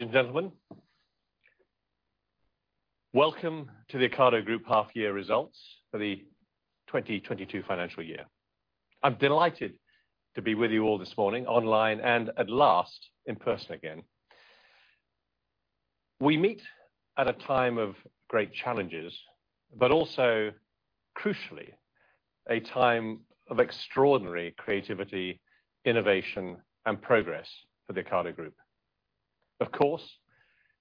Ladies and gentlemen, welcome to the Ocado Group half year results for the 2022 financial year. I'm delighted to be with you all this morning online and, at last, in person again. We meet at a time of great challenges, but also crucially, a time of extraordinary creativity, innovation, and progress for the Ocado Group. Of course,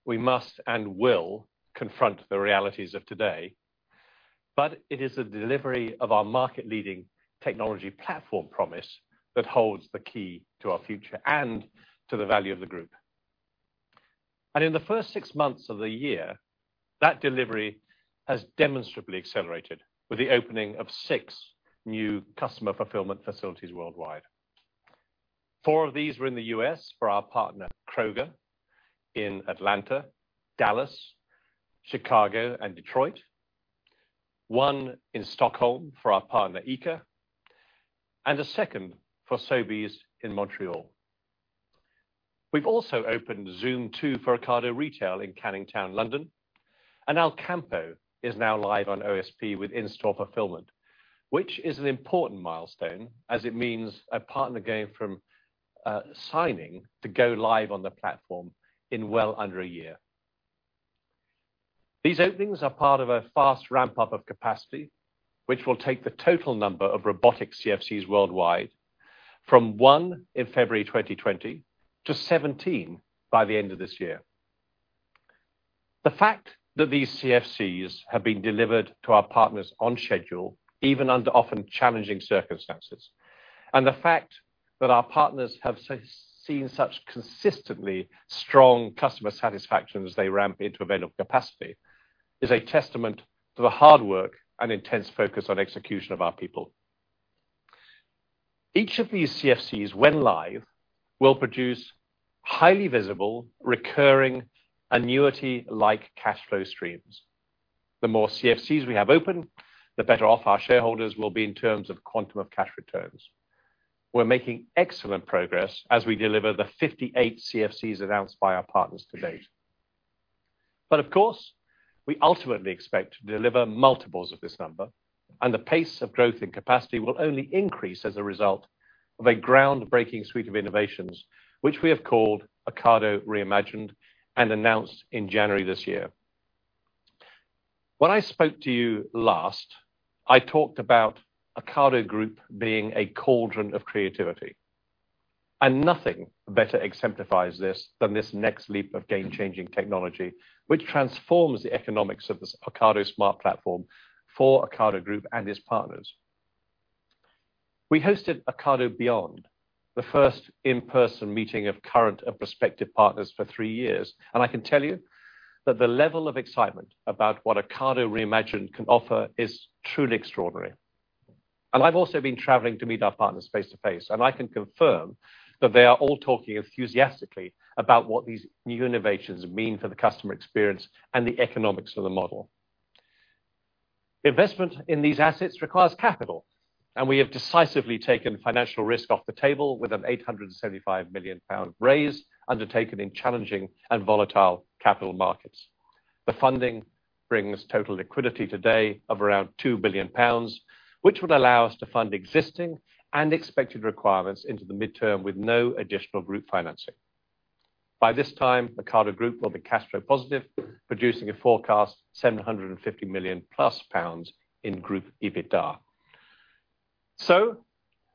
we must and will confront the realities of today, but it is the delivery of our market-leading technology platform promise that holds the key to our future and to the value of the group. In the first six months of the year, that delivery has demonstrably accelerated with the opening of six new customer fulfillment facilities worldwide. Four of these were in the U.S. for our partner, Kroger, in Atlanta, Dallas, Chicago, and Detroit, one in Stockholm for our partner ICA, and a second for Sobeys in Montreal. We've also opened Zoom two for Ocado Retail in Canning Town, London, and Alcampo is now live on OSP with in-store fulfillment, which is an important milestone as it means a partner going from signing to go live on the platform in well under a year. These openings are part of a fast ramp-up of capacity, which will take the total number of robotic CFCs worldwide from 1 in February 2020 to 17 by the end of this year. The fact that these CFCs have been delivered to our partners on schedule, even under often challenging circumstances, and the fact that our partners have seen such consistently strong customer satisfaction as they ramp into available capacity, is a testament to the hard work and intense focus on execution of our people. Each of these CFCs, when live, will produce highly visible, recurring annuity-like cash flow streams. The more CFCs we have open, the better off our shareholders will be in terms of quantum of cash returns. We're making excellent progress as we deliver the 58 CFCs announced by our partners to date. Of course, we ultimately expect to deliver multiples of this number, and the pace of growth and capacity will only increase as a result of a groundbreaking suite of innovations, which we have called Ocado Re:Imagined and announced in January this year. When I spoke to you last, I talked about Ocado Group being a cauldron of creativity, and nothing better exemplifies this than this next leap of game-changing technology, which transforms the economics of this Ocado Smart Platform for Ocado Group and its partners. We hosted Ocado Beyond, the first in-person meeting of current and prospective partners for three years, and I can tell you that the level of excitement about what Ocado Re:Imagined can offer is truly extraordinary. I've also been traveling to meet our partners face to face, and I can confirm that they are all talking enthusiastically about what these new innovations mean for the customer experience and the economics of the model. Investment in these assets requires capital, and we have decisively taken financial risk off the table with a 875 million pound raise undertaken in challenging and volatile capital markets. The funding brings total liquidity today of around 2 billion pounds, which would allow us to fund existing and expected requirements into the midterm with no additional group financing. By this time, Ocado Group will be cash flow positive, producing a forecast 750 million pounds+ in group EBITDA.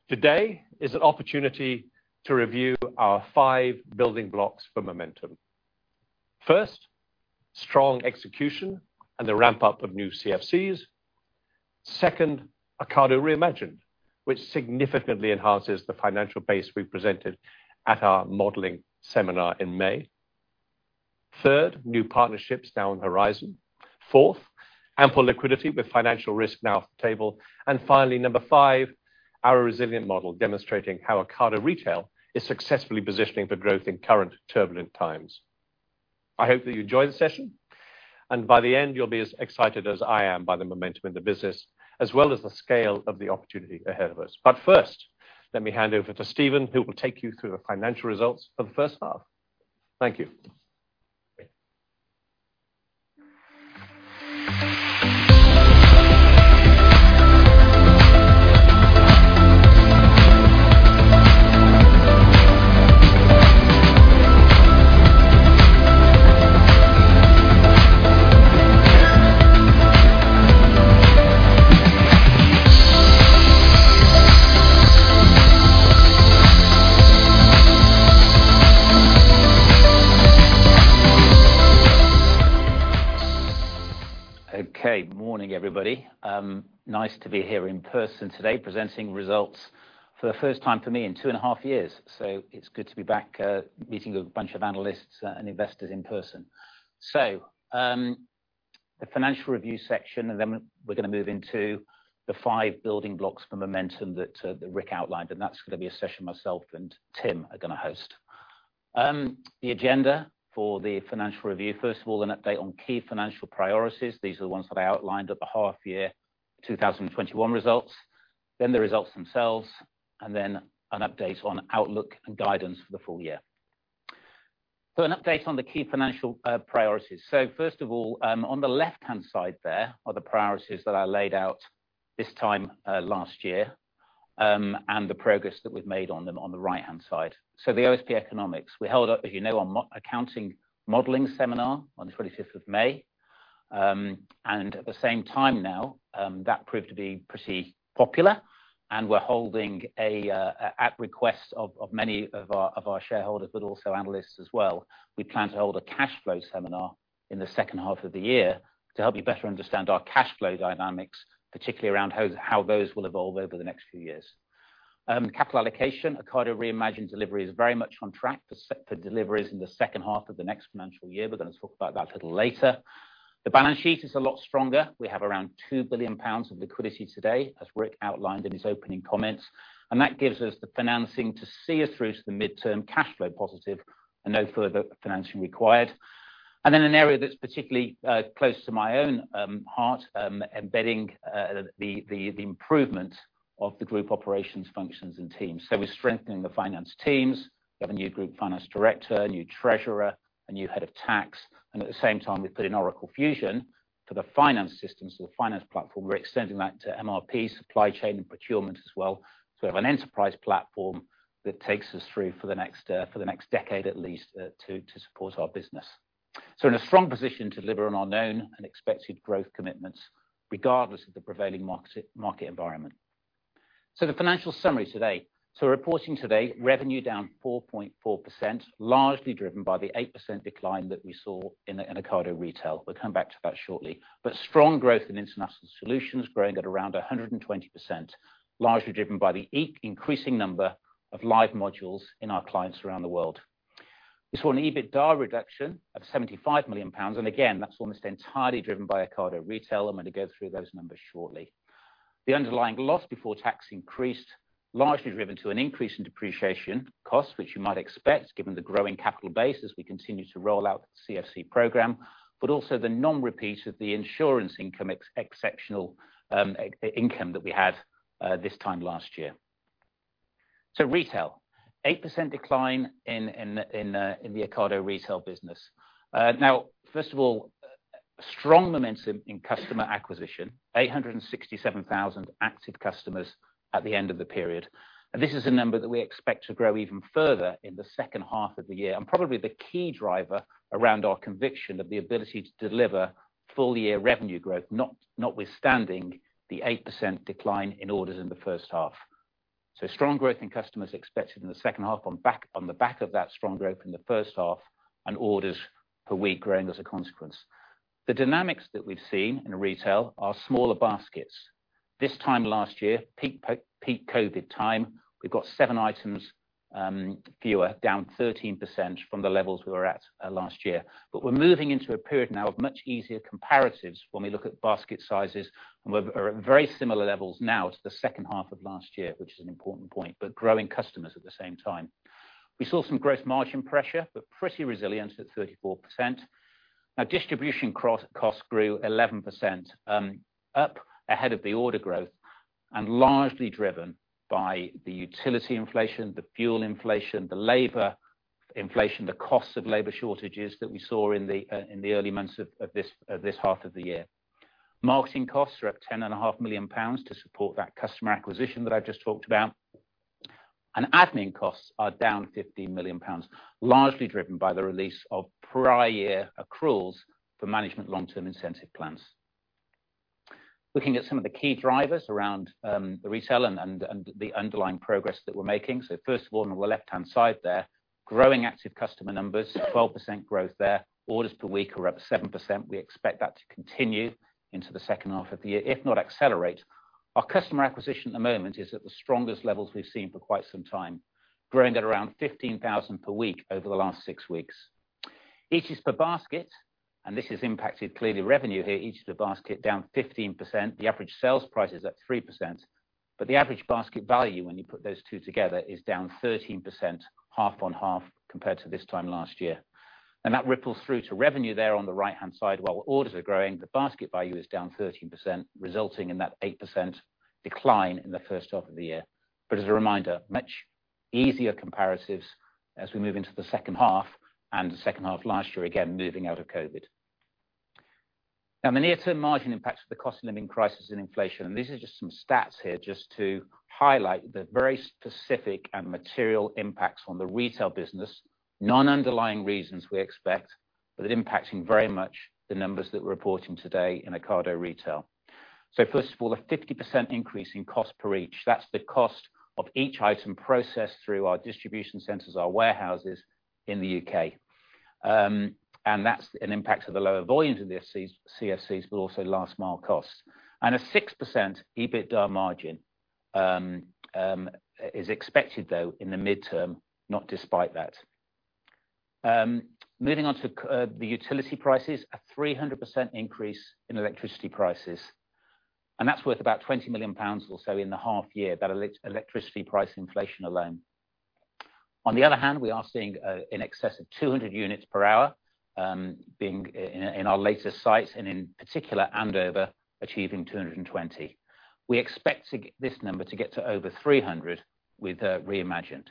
Today is an opportunity to review our five building blocks for momentum. First, strong execution and the ramp-up of new CFCs. Second, Ocado Re:Imagined, which significantly enhances the financial base we presented at our modeling seminar in May. Third, new partnerships now on horizon. Fourth, ample liquidity with financial risk now off the table. Finally, number five, our resilient model demonstrating how Ocado Retail is successfully positioning for growth in current turbulent times. I hope that you enjoy the session, and by the end, you'll be as excited as I am by the momentum in the business, as well as the scale of the opportunity ahead of us. First, let me hand over to Stephen, who will take you through the financial results for the first half. Thank you. Okay. Morning, everybody. Nice to be here in person today, presenting results for the first time for me in two and a half years. It's good to be back, meeting a bunch of analysts, and investors in person. The financial review section, and then we're gonna move into the five building blocks for momentum that Rick outlined, and that's gonna be a session myself and Tim are gonna host. The agenda for the financial review, first of all, an update on key financial priorities. These are the ones that I outlined at the half year 2021 results. The results themselves, and then an update on outlook and guidance for the full year. An update on the key financial priorities. First of all, on the left-hand side there are the priorities that I laid out this time last year, and the progress that we've made on them on the right-hand side. The OSP economics. We held an accounting and modeling seminar on the 25th of May, as you know. At the same time now, that proved to be pretty popular, and at the request of many of our shareholders, but also analysts as well, we plan to hold a cash flow seminar in the second half of the year to help you better understand our cash flow dynamics, particularly around how those will evolve over the next few years. Capital allocation. Ocado Re:Imagined delivery is very much on track for deliveries in the second half of the next financial year. We're gonna talk about that a little later. The balance sheet is a lot stronger. We have around 2 billion pounds of liquidity today, as Rick outlined in his opening comments. That gives us the financing to see us through to the midterm cash flow positive and no further financing required. Then an area that's particularly close to my own heart, embedding the improvement of the group operations functions and teams. We're strengthening the finance teams. We have a new group finance director, a new treasurer, a new head of tax, and at the same time, we put in Oracle Fusion for the finance systems or the finance platform. We're extending that to MRP, supply chain, and procurement as well. We have an enterprise platform that takes us through for the next decade at least, to support our business. In a strong position to deliver on our known and expected growth commitments regardless of the prevailing market environment. The financial summary today. Reporting today, revenue down 4.4%, largely driven by the 8% decline that we saw in Ocado Retail. We'll come back to that shortly. Strong growth in International Solutions, growing at around 120%, largely driven by the increasing number of live modules in our clients around the world. We saw an EBITDA reduction of 75 million pounds, and again, that's almost entirely driven by Ocado Retail. I'm going to go through those numbers shortly. The underlying loss before tax increased, largely driven by an increase in depreciation costs, which you might expect given the growing capital base as we continue to roll out the CFC program, but also the non-repeat of the insurance income exceptional income that we had this time last year. Retail, 8% decline in the Ocado Retail business. First of all, strong momentum in customer acquisition, 867,000 active customers at the end of the period. This is a number that we expect to grow even further in the second half of the year, and probably the key driver around our conviction of the ability to deliver full-year revenue growth, notwithstanding the 8% decline in orders in the first half. Strong growth in customers expected in the second half on the back of that strong growth in the first half and orders per week growing as a consequence. The dynamics that we've seen in Retail are smaller baskets. This time last year, peak COVID time, we've got seven items fewer, down 13% from the levels we were at last year. We're moving into a period now of much easier comparatives when we look at basket sizes, and we're at very similar levels now to the second half of last year, which is an important point, but growing customers at the same time. We saw some gross margin pressure, but pretty resilient at 34%. Now distribution costs grew 11%, up ahead of the order growth and largely driven by the utility inflation, the fuel inflation, the labor inflation, the costs of labor shortages that we saw in the early months of this half of the year. Marketing costs are up 10.5 million pounds to support that customer acquisition that I just talked about. Admin costs are down 15 million pounds, largely driven by the release of prior year accruals for management long-term incentive plans. Looking at some of the key drivers around the Retail and the underlying progress that we're making. First of all, on the left-hand side there, growing active customer numbers, 12% growth there. Orders per week are up 7%. We expect that to continue into the second half of the year, if not accelerate. Our customer acquisition at the moment is at the strongest levels we've seen for quite some time, growing at around 15,000 per week over the last six weeks. Items per basket, this has impacted clearly revenue here. Items per basket down 15%. The average sales price is up 3%. The average basket value when you put those two together is down 13%, half on half compared to this time last year. That ripples through to revenue there on the right-hand side. While orders are growing, the basket value is down 13%, resulting in that 8% decline in the first half of the year. As a reminder, much easier comparatives as we move into the second half and the second half of last year, again, moving out of COVID. Now, the near-term margin impacts of the cost of living crisis and inflation. These are just some stats here just to highlight the very specific and material impacts on the Retail business. Non-underlying reasons we expect, but impacting very much the numbers that we're reporting today in Ocado Retail. First of all, a 50% increase in cost per each. That's the cost of each item processed through our distribution centers, our warehouses in the U.K. That's an impact of the lower volumes of the CFCs, but also last mile costs. A 6% EBITDA margin is expected, though, in the midterm, not despite that. Moving on to the utility prices. A 300% increase in electricity prices, that's worth about 20 million pounds or so in the half year, that electricity price inflation alone. On the other hand, we are seeing in excess of 200 units per hour being in our latest sites and in particular, Andover, achieving 220. We expect this number to get to over 300 with Ocado Re:Imagined.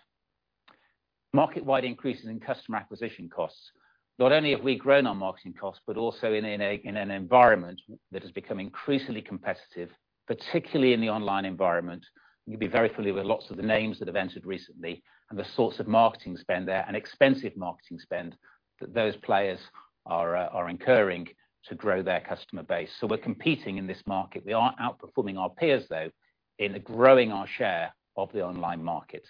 Market-wide increases in customer acquisition costs. Not only have we grown our marketing costs, but also in an environment that has become increasingly competitive, particularly in the online environment. You'd be very familiar with lots of the names that have entered recently and the sorts of marketing spend there and expensive marketing spend that those players are incurring to grow their customer base. We're competing in this market. We are outperforming our peers, though, in growing our share of the online market.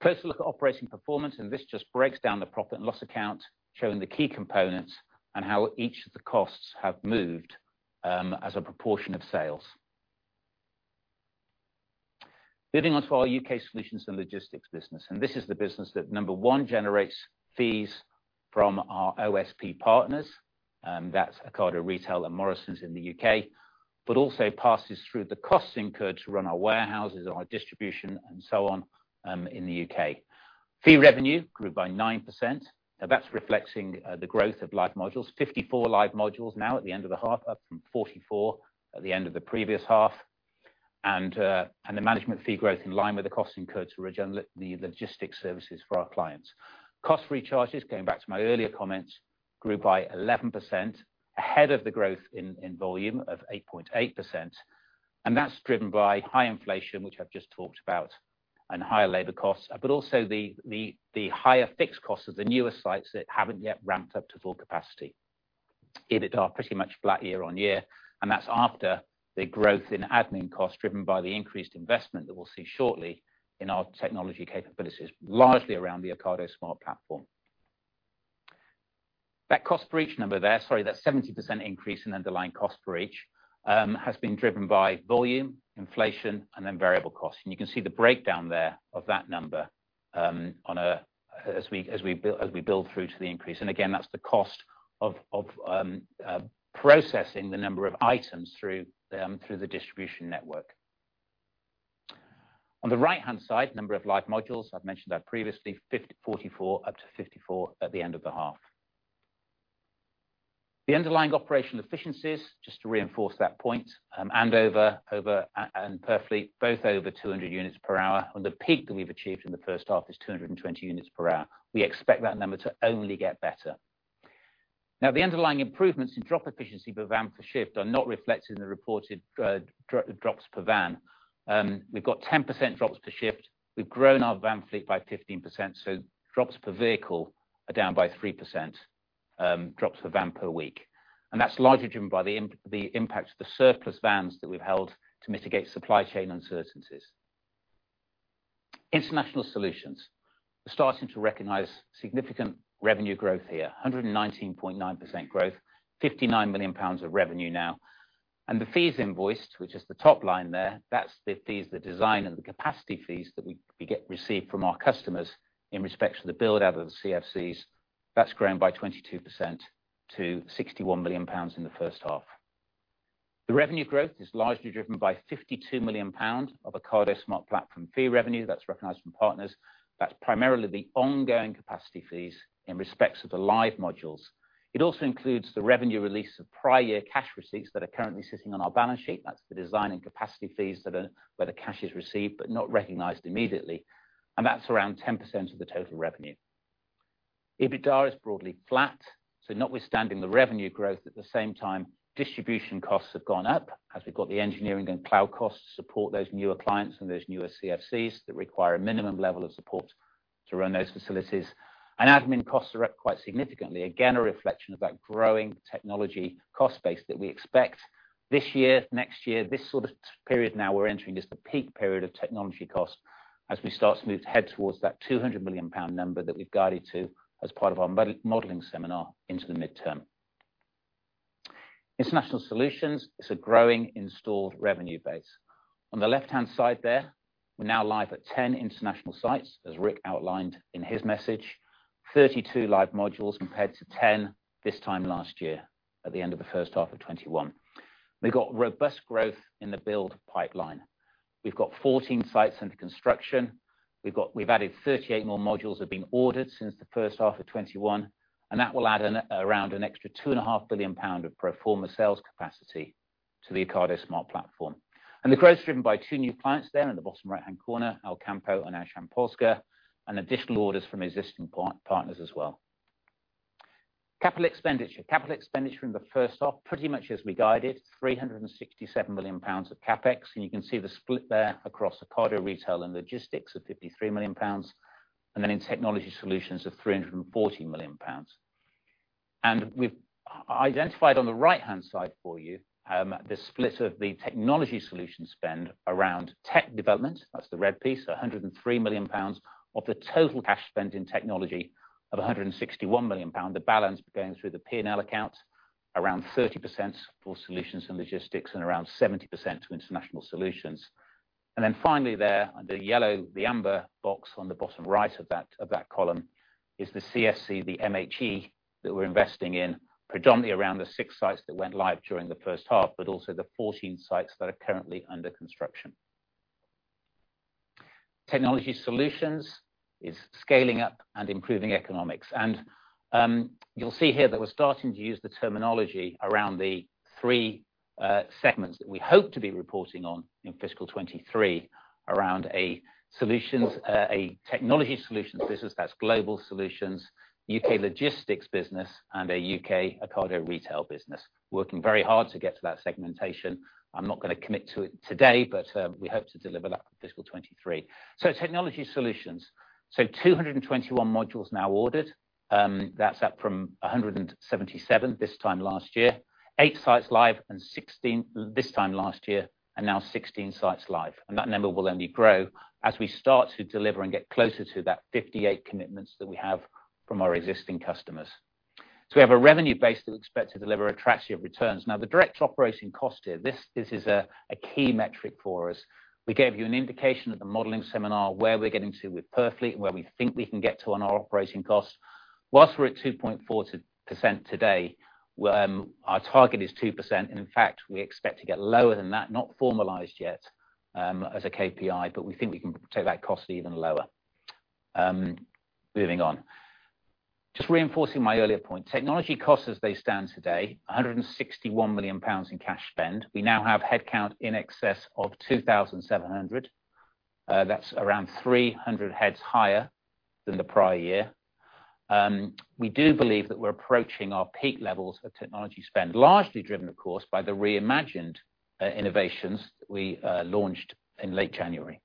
Closer look at operating performance, and this just breaks down the profit and loss account, showing the key components and how each of the costs have moved as a proportion of sales. Moving on to our U.K. solutions and logistics business, and this is the business that, number one, generates fees from our OSP partners, that's Ocado Retail and Morrisons in the U.K., but also passes through the costs incurred to run our warehouses and our distribution and so on, in the U.K. Fee revenue grew by 9%. Now that's reflecting the growth of live modules. 54 live modules now at the end of the half, up from 44 at the end of the previous half. The management fee growth in line with the costs incurred to render the logistics services for our clients. Cost recharges, going back to my earlier comments, grew by 11% ahead of the growth in volume of 8.8%. That's driven by high inflation, which I've just talked about, and higher labor costs, but also the higher fixed costs of the newer sites that haven't yet ramped up to full capacity. EBITDA are pretty much flat year-over-year, and that's after the growth in admin costs driven by the increased investment that we'll see shortly in our technology capabilities, largely around the Ocado Smart Platform. That cost per each number there, sorry, that 70% increase in underlying cost per each has been driven by volume, inflation, and then variable costs. You can see the breakdown there of that number, as we build through to the increase. Again, that's the cost of processing the number of items through the distribution network. On the right-hand side, number of live modules, I've mentioned that previously, 44 up to 54 at the end of the half. The underlying operational efficiencies, just to reinforce that point, and over, and Purfleet both over 200 units per hour. Our peak that we've achieved in the first half is 220 units per hour. We expect that number to only get better. Now, the underlying improvements in drop efficiency per van per shift are not reflected in the reported drops per van. We've got 10% drops per shift. We've grown our van fleet by 15%, so drops per vehicle are down by 3%, drops per van per week. That's largely driven by the impact of the surplus vans that we've held to mitigate supply chain uncertainties. International solutions. We're starting to recognize significant revenue growth here. 119.9% growth, 59 million pounds of revenue now. The fees invoiced, which is the top line there, that's the fees, the design and the capacity fees that we receive from our customers in respect to the build out of the CFCs. That's grown by 22% to 61 million pounds in the first half. The revenue growth is largely driven by 52 million pounds of Ocado Smart Platform fee revenue. That's recognized from partners. That's primarily the ongoing capacity fees in respect to the live modules. It also includes the revenue release of prior year cash receipts that are currently sitting on our balance sheet. That's the design and capacity fees that are, where the cash is received but not recognized immediately, and that's around 10% of the total revenue. EBITDA is broadly flat, so notwithstanding the revenue growth at the same time, distribution costs have gone up as we've got the engineering and cloud costs to support those newer clients and those newer CFCs that require a minimum level of support to run those facilities. Admin costs are up quite significantly. Again, a reflection of that growing technology cost base that we expect this year, next year. This sort of period now we're entering is the peak period of technology costs as we start to move to head towards that 200 million pound number that we've guided to as part of our mid-term modeling seminar into the mid-term. International solutions, it's a growing installed revenue base. On the left-hand side there, we're now live at 10 international sites, as Tim outlined in his message. 32 live modules compared to 10 this time last year at the end of the first half of 2021. We've got robust growth in the build pipeline. We've got 14 sites under construction. We've added 38 more modules have been ordered since the first half of 2021, and that will add around an extra 2.5 billion pound of pro forma sales capacity to the Ocado Smart Platform. The growth is driven by two new clients there in the bottom right-hand corner, Alcampo and Auchan Polska, and additional orders from existing partners as well. Capital expenditure. Capital expenditure in the first half, pretty much as we guided, 367 million pounds of CapEx, and you can see the split there across Ocado Retail and Logistics of 53 million pounds, and then in Technology Solutions of 340 million pounds. We've identified on the right-hand side for you, the split of the technology solutions spend around tech development. That's the red piece, 103 million pounds of the total cash spent in technology of 161 million pound. The balance going through the P&L account, around 30% for solutions and logistics and around 70% to international solutions. Finally, there, the amber box on the bottom right of that column is the CFC, the MHE that we're investing in predominantly around the six sites that went live during the first half, but also the 14 sites that are currently under construction. Technology solutions is scaling up and improving economics. You'll see here that we're starting to use the terminology around the three segments that we hope to be reporting on in fiscal 2023 around a technology solutions business. That's global solutions, U.K. logistics business and a U.K. Ocado Retail business. Working very hard to get to that segmentation. I'm not gonna commit to it today, but we hope to deliver that for fiscal 2023. Technology solutions. 221 modules now ordered. That's up from 177 this time last year. Eight sites live and 16 this time last year, and now 16 sites live. That number will only grow as we start to deliver and get closer to that 58 commitments that we have from our existing customers. We have a revenue base that we expect to deliver attractive returns. Now, the direct operating cost here, this is a key metric for us. We gave you an indication at the modeling seminar where we're getting to with Purfleet and where we think we can get to on our operating costs. While we're at 2.4% today, our target is 2%, and in fact, we expect to get lower than that. Not formalized yet as a KPI, but we think we can take that cost even lower. Moving on. Just reinforcing my earlier point. Technology costs as they stand today, 161 million pounds in cash spend. We now have headcount in excess of 2,700. That's around 300 heads higher than the prior year. We do believe that we're approaching our peak levels of technology spend, largely driven, of course, by the Re:Imagined innovations that we launched in late January.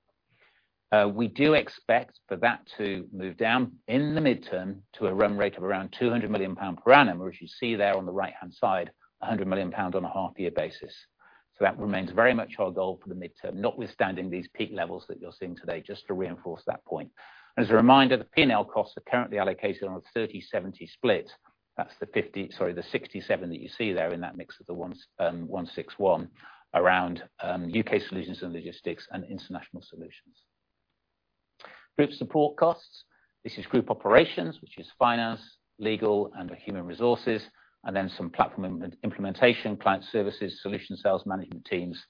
We do expect for that to move down in the midterm to a run rate of around 200 million pound per annum, or as you see there on the right-hand side, 100 million pound on a half year basis. That remains very much our goal for the midterm, notwithstanding these peak levels that you're seeing today, just to reinforce that point. As a reminder, the P&L costs are currently allocated on a 30/70 split. That's the 67 that you see there in that mix of the 161 around U.K. solutions and logistics and international solutions. Group support costs. This is group operations, which is finance, legal, and human resources, and then some platform implementation, client services, solution sales management teams,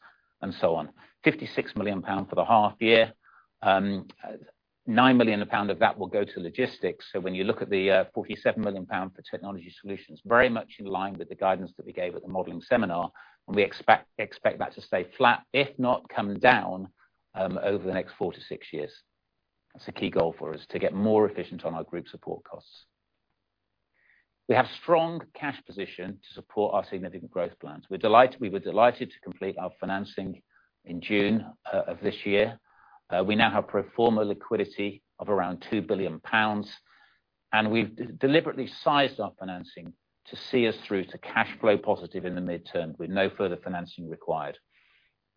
and so on. 56 million pound for the half year. 9 million of that will go to logistics. When you look at the 47 million pound for technology solutions, very much in line with the guidance that we gave at the modeling seminar, and we expect that to stay flat, if not come down, over the next four to six years. That's a key goal for us, to get more efficient on our group support costs. We have strong cash position to support our significant growth plans. We were delighted to complete our financing in June of this year. We now have pro forma liquidity of around 2 billion pounds, and we've deliberately sized our financing to see us through to cash flow positive in the midterm with no further financing required.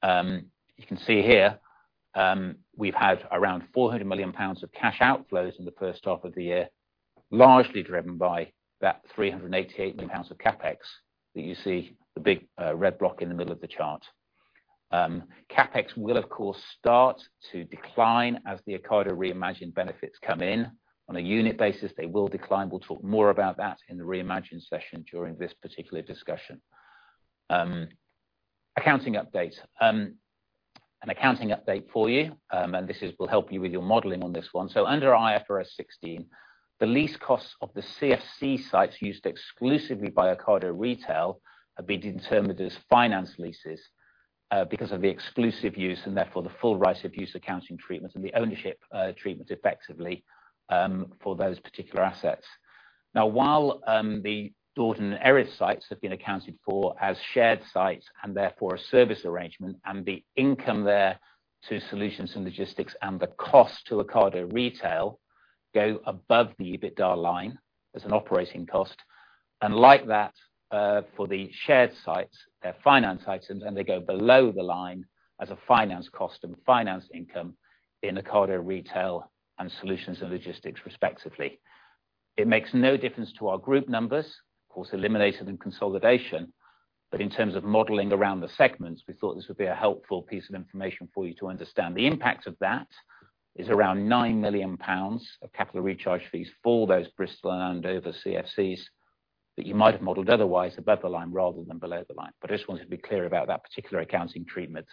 You can see here, we've had around 400 million pounds of cash outflows in the first half of the year, largely driven by that 388 million pounds of CapEx that you see, the big, red block in the middle of the chart. CapEx will, of course, start to decline as the Ocado Re:Imagined benefits come in. On a unit basis, they will decline. We'll talk more about that in the Re:Imagined session during this particular discussion. Accounting update. An accounting update for you, and this will help you with your modeling on this one. Under IFRS 16, the lease costs of the CFC sites used exclusively by Ocado Retail have been determined as finance leases, because of the exclusive use and therefore the full right of use accounting treatment and the ownership treatment effectively, for those particular assets. While, the Dordon and Erith sites have been accounted for as shared sites and therefore a service arrangement, and the income thereto to Solutions and Logistics and the cost to Ocado Retail go above the EBITDA line as an operating cost. Like that, for the shared sites, they're finance items, and they go below the line as a finance cost and finance income in Ocado Retail and Solutions and Logistics, respectively. It makes no difference to our group numbers, of course, eliminated in consolidation, but in terms of modeling around the segments, we thought this would be a helpful piece of information for you to understand. The impact of that is around 9 million pounds of capital recharge fees for those Bristol and Andover CFCs that you might have modeled otherwise above the line rather than below the line. I just wanted to be clear about that particular accounting treatment,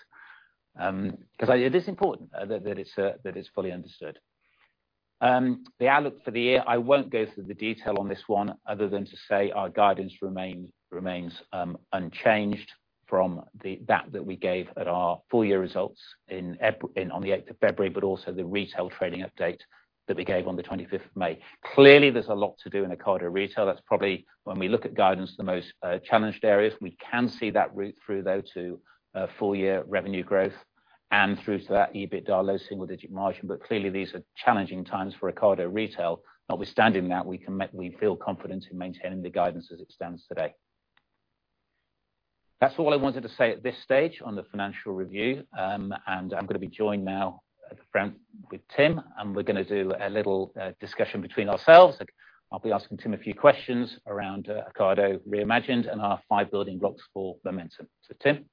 'cause it is important that it's fully understood. The outlook for the year, I won't go through the detail on this one other than to say our guidance remains unchanged from that we gave at our full year results on the 8th of February, but also the retail trading update that we gave on the 25th of May. Clearly, there's a lot to do in Ocado Retail. That's probably, when we look at guidance, the most challenged areas. We can see that route through, though, to full year revenue growth and through to that EBITDA low single digit margin. Clearly, these are challenging times for Ocado Retail. Notwithstanding that, we feel confident in maintaining the guidance as it stands today. That's all I wanted to say at this stage on the financial review. I'm gonna be joined now at the front with Tim, and we're gonna do a little discussion between ourselves. I'll be asking Tim a few questions around Ocado Re:Imagined and our five building blocks for momentum, so Tim?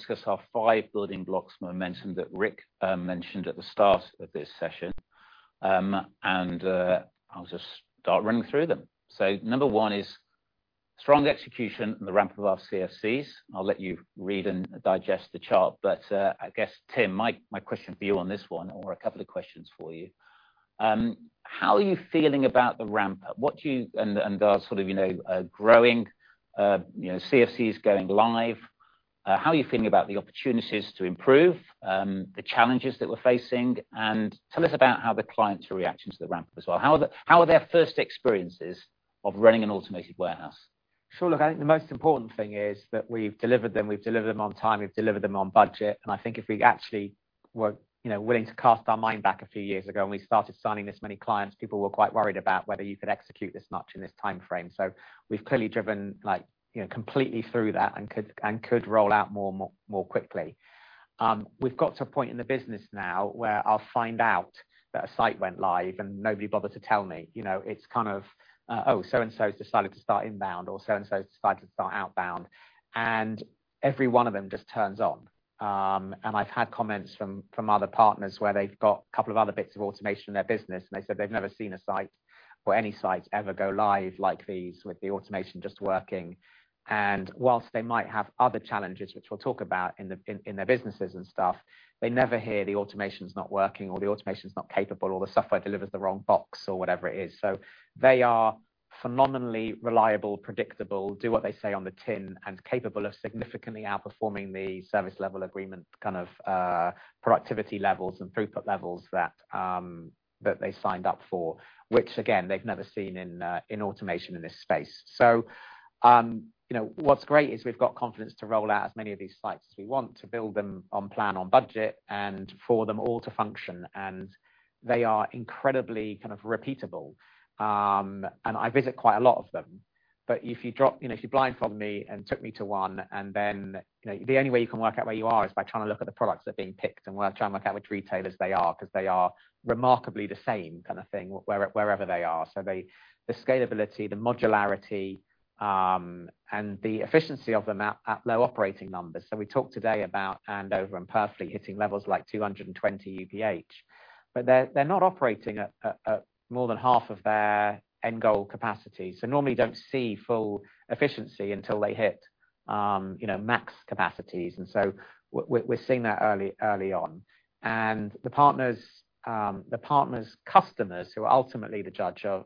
Now we're gonna discuss our five building blocks momentum that Rick mentioned at the start of this session. I'll just start running through them. Number one is strong execution and the ramp of our CFCs. I'll let you read and digest the chart. I guess, Tim, my question for you on this one or a couple of questions for you, how are you feeling about the ramp-up? The sort of, you know, growing, you know, CFCs going live, how are you feeling about the opportunities to improve the challenges that we're facing? Tell us about how the clients are reacting to the ramp-up as well. How are their first experiences of running an automated warehouse? Sure. Look, I think the most important thing is that we've delivered them, we've delivered them on time, we've delivered them on budget. I think if we actually were, you know, willing to cast our mind back a few years ago when we started signing this many clients, people were quite worried about whether you could execute this much in this timeframe. We've clearly driven, like, you know, completely through that and could roll out more quickly. We've got to a point in the business now where I'll find out that a site went live and nobody bothered to tell me. You know, it's kind of, oh, so and so decided to start inbound, or so and so decided to start outbound, and every one of them just turns on. I've had comments from other partners where they've got a couple of other bits of automation in their business, and they said they've never seen a site or any site ever go live like these with the automation just working. While they might have other challenges, which we'll talk about in their businesses and stuff, they never hear the automation's not working or the automation's not capable or the software delivers the wrong box or whatever it is. They are phenomenally reliable, predictable, do what they say on the tin, and capable of significantly outperforming the service level agreement, kind of, productivity levels and throughput levels that they signed up for, which again, they've never seen in automation in this space. You know, what's great is we've got confidence to roll out as many of these sites as we want to build them on plan, on budget and for them all to function. They are incredibly kind of repeatable. I visit quite a lot of them. If you blindfold me and took me to one and then, you know, the only way you can work out where you are is by trying to look at the products that are being picked and we're trying to work out which retailers they are 'cause they are remarkably the same kind of thing wherever they are. The scalability, the modularity, and the efficiency of them at low operating numbers. We talked today about Andover and Purfleet hitting levels like 220 UPH. They're not operating at more than half of their end goal capacity. Normally don't see full efficiency until they hit, you know, max capacities. We're seeing that early on. The partners' customers who are ultimately the judge of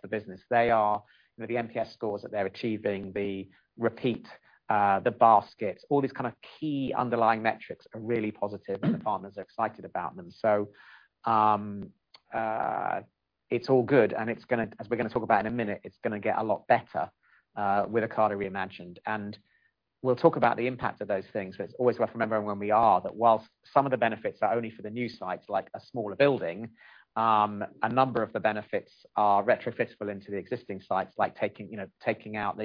the business, they are, you know, the NPS scores that they're achieving, the repeat, the baskets, all these kind of key underlying metrics are really positive and the partners are excited about them. It's all good and it's gonna, as we're gonna talk about in a minute, it's gonna get a lot better with Ocado Re:Imagined. We'll talk about the impact of those things 'cause it's always worth remembering that while some of the benefits are only for the new sites, like a smaller building, a number of the benefits are retrofitable into the existing sites like taking you know out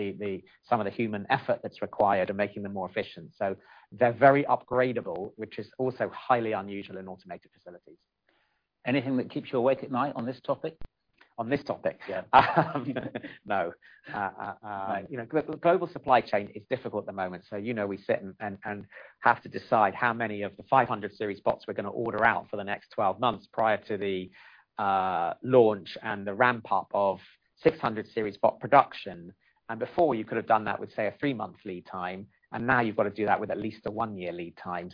some of the human effort that's required and making them more efficient. They're very upgradable, which is also highly unusual in automated facilities. Anything that keeps you awake at night on this topic? On this topic? Yeah. No. You know, global supply chain is difficult at the moment, so you know we sit and have to decide how many of the 500 Series bots we're gonna order out for the next 12 months prior to the launch and the ramp-up of 600 Series bot production. Before you could have done that with, say, a three-month lead time, now you've got to do that with at least a one-year lead time.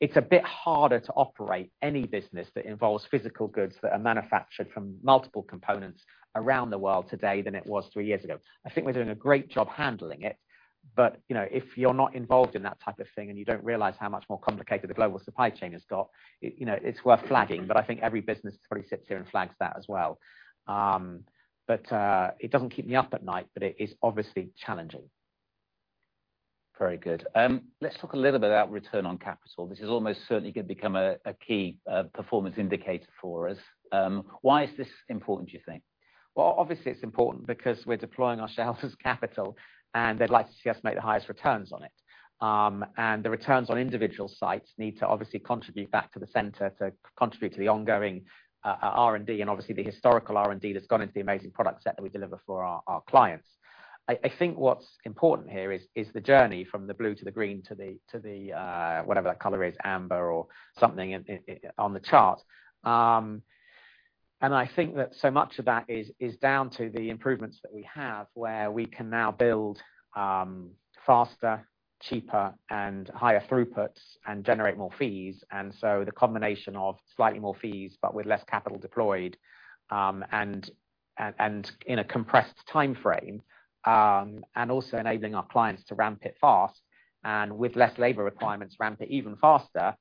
It's a bit harder to operate any business that involves physical goods that are manufactured from multiple components around the world today than it was three years ago. I think we're doing a great job handling it, but you know, if you're not involved in that type of thing and you don't realize how much more complicated the global supply chain has got, you know, it's worth flagging. I think every business probably sits here and flags that as well. It doesn't keep me up at night, but it is obviously challenging. Very good. Let's talk a little bit about return on capital. This is almost certainly gonna become a key performance indicator for us. Why is this important, do you think? Well, obviously it's important because we're deploying our shareholders' capital, and they'd like to see us make the highest returns on it. The returns on individual sites need to obviously contribute back to the center to contribute to the ongoing R&D, and obviously the historical R&D that's gone into the amazing product set that we deliver for our clients. I think what's important here is the journey from the blue to the green to the whatever that color is, amber or something in on the chart. I think that so much of that is down to the improvements that we have where we can now build faster, cheaper and higher throughputs and generate more fees. The combination of slightly more fees but with less capital deployed, and in a compressed timeframe, and also enabling our clients to ramp it fast and with less labor requirements, ramp it even faster,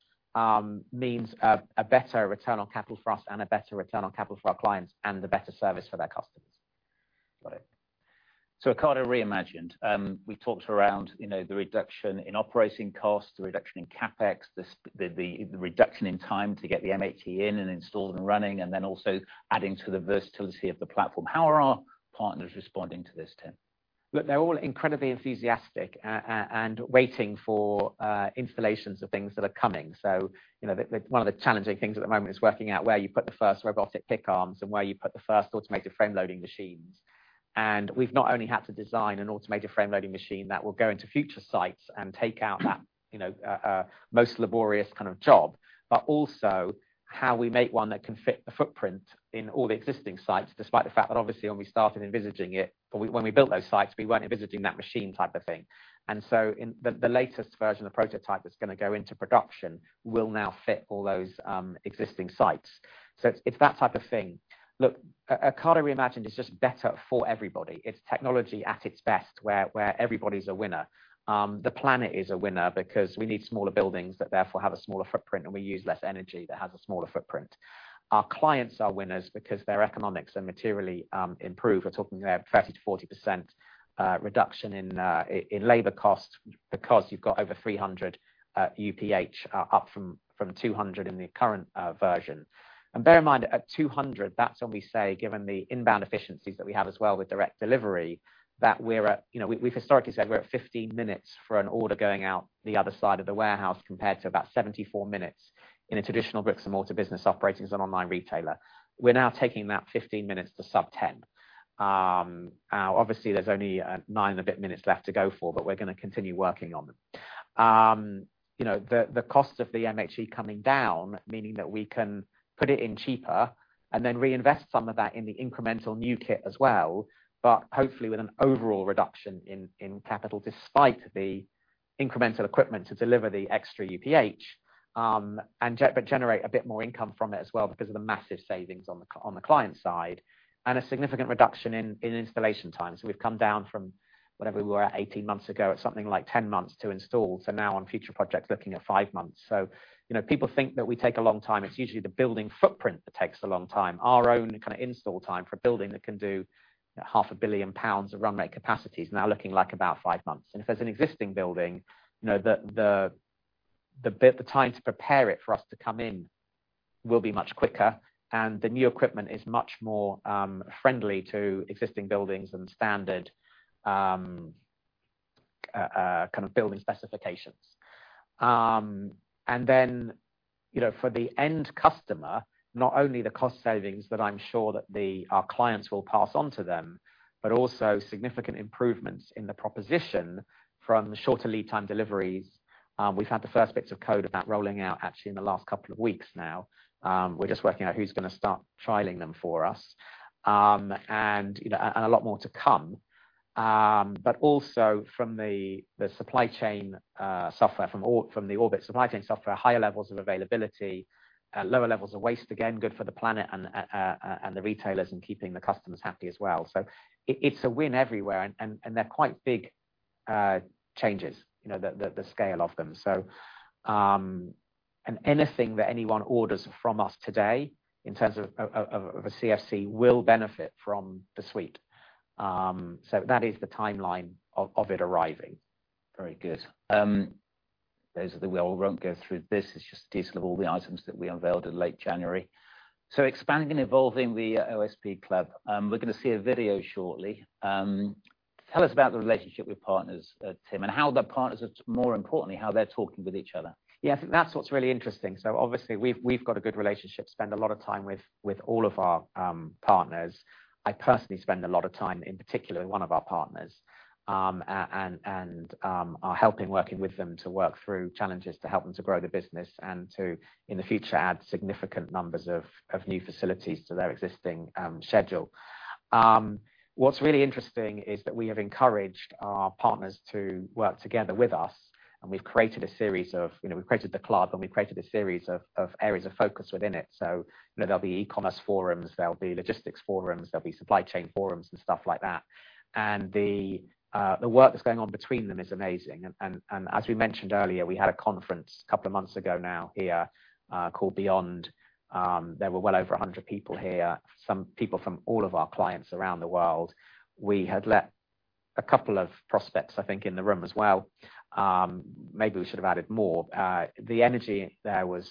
means a better return on capital for us and a better return on capital for our clients and a better service for their customers. Got it. Ocado Re:Imagined. We talked around, you know, the reduction in operating costs, the reduction in CapEx, the reduction in time to get the MHE in and installed and running, and then also adding to the versatility of the platform. How are our partners responding to this, Tim? Look, they're all incredibly enthusiastic and waiting for installations of things that are coming. You know, one of the challenging things at the moment is working out where you put the first robotic pick arms and where you put the first automated frame loading machines. We've not only had to design an automated frame loading machine that will go into future sites and take out that, you know, most laborious kind of job, but also how we make one that can fit the footprint in all the existing sites, despite the fact that obviously when we started envisaging it, when we built those sites, we weren't envisaging that machine type of thing. In the latest version of prototype that's gonna go into production will now fit all those existing sites. It's that type of thing. Look, Ocado Re:Imagined is just better for everybody. It's technology at its best, where everybody's a winner. The planet is a winner because we need smaller buildings that therefore have a smaller footprint, and we use less energy that has a smaller footprint. Our clients are winners because their economics are materially improved. We're talking about 30%-40% reduction in labor costs because you've got over 300 UPH up from 200 in the current version. Bear in mind at 200, that's when we say, given the inbound efficiencies that we have as well with direct delivery, that we're at, you know, we've historically said we're at 15 minutes for an order going out the other side of the warehouse, compared to about 74 minutes in a traditional bricks and mortar business operating as an online retailer. We're now taking that 15 minutes to sub-10. Obviously there's only nine and a bit minutes left to go for, but we're gonna continue working on them. You know, the cost of the MHE coming down, meaning that we can put it in cheaper and then reinvest some of that in the incremental new kit as well, but hopefully with an overall reduction in capital despite the incremental equipment to deliver the extra UPH, and generate a bit more income from it as well because of the massive savings on the client side, and a significant reduction in installation time. We've come down from whatever we were at 18 months ago at something like 10 months to install. Now on future projects, looking at five months. You know, people think that we take a long time. It's usually the building footprint that takes a long time. Our own kind of install time for a building that can do half a billion pounds of runway capacity is now looking like about five months. If there's an existing building, you know, the time to prepare it for us to come in will be much quicker, and the new equipment is much more friendly to existing buildings and standard kind of building specifications. You know, for the end customer, not only the cost savings that I'm sure that our clients will pass on to them, but also significant improvements in the proposition from shorter lead time deliveries. We've had the first bits of code of that rolling out actually in the last couple of weeks now. We're just working out who's gonna start trialing them for us. You know, a lot more to come. Also from the supply chain software, higher levels of availability, lower levels of waste, again, good for the planet and the retailers and keeping the customers happy as well. It's a win everywhere and they're quite big changes, you know, the scale of them. Anything that anyone orders from us today in terms of a CFC will benefit from the suite. That is the timeline of it arriving. Very good. We all won't go through this. It's just a list of all the items that we unveiled in late January. Expanding and evolving the OSP Club. We're gonna see a video shortly. Tell us about the relationship with partners, Tim, and, more importantly, how they're talking with each other. Yeah, I think that's what's really interesting. Obviously we've got a good relationship, spend a lot of time with all of our partners. I personally spend a lot of time, in particular with one of our partners, and working with them to work through challenges to help them to grow the business and to, in the future, add significant numbers of new facilities to their existing schedule. What's really interesting is that we have encouraged our partners to work together with us, and we've created a series of, you know, we've created the club, and we've created a series of areas of focus within it. You know, there'll be e-commerce forums, there'll be logistics forums, there'll be supply chain forums and stuff like that. The work that's going on between them is amazing. As we mentioned earlier, we had a conference a couple of months ago now here, called Beyond. There were well over 100 people here, some people from all of our clients around the world. We had let a couple of prospects, I think, in the room as well. Maybe we should have added more. The energy there was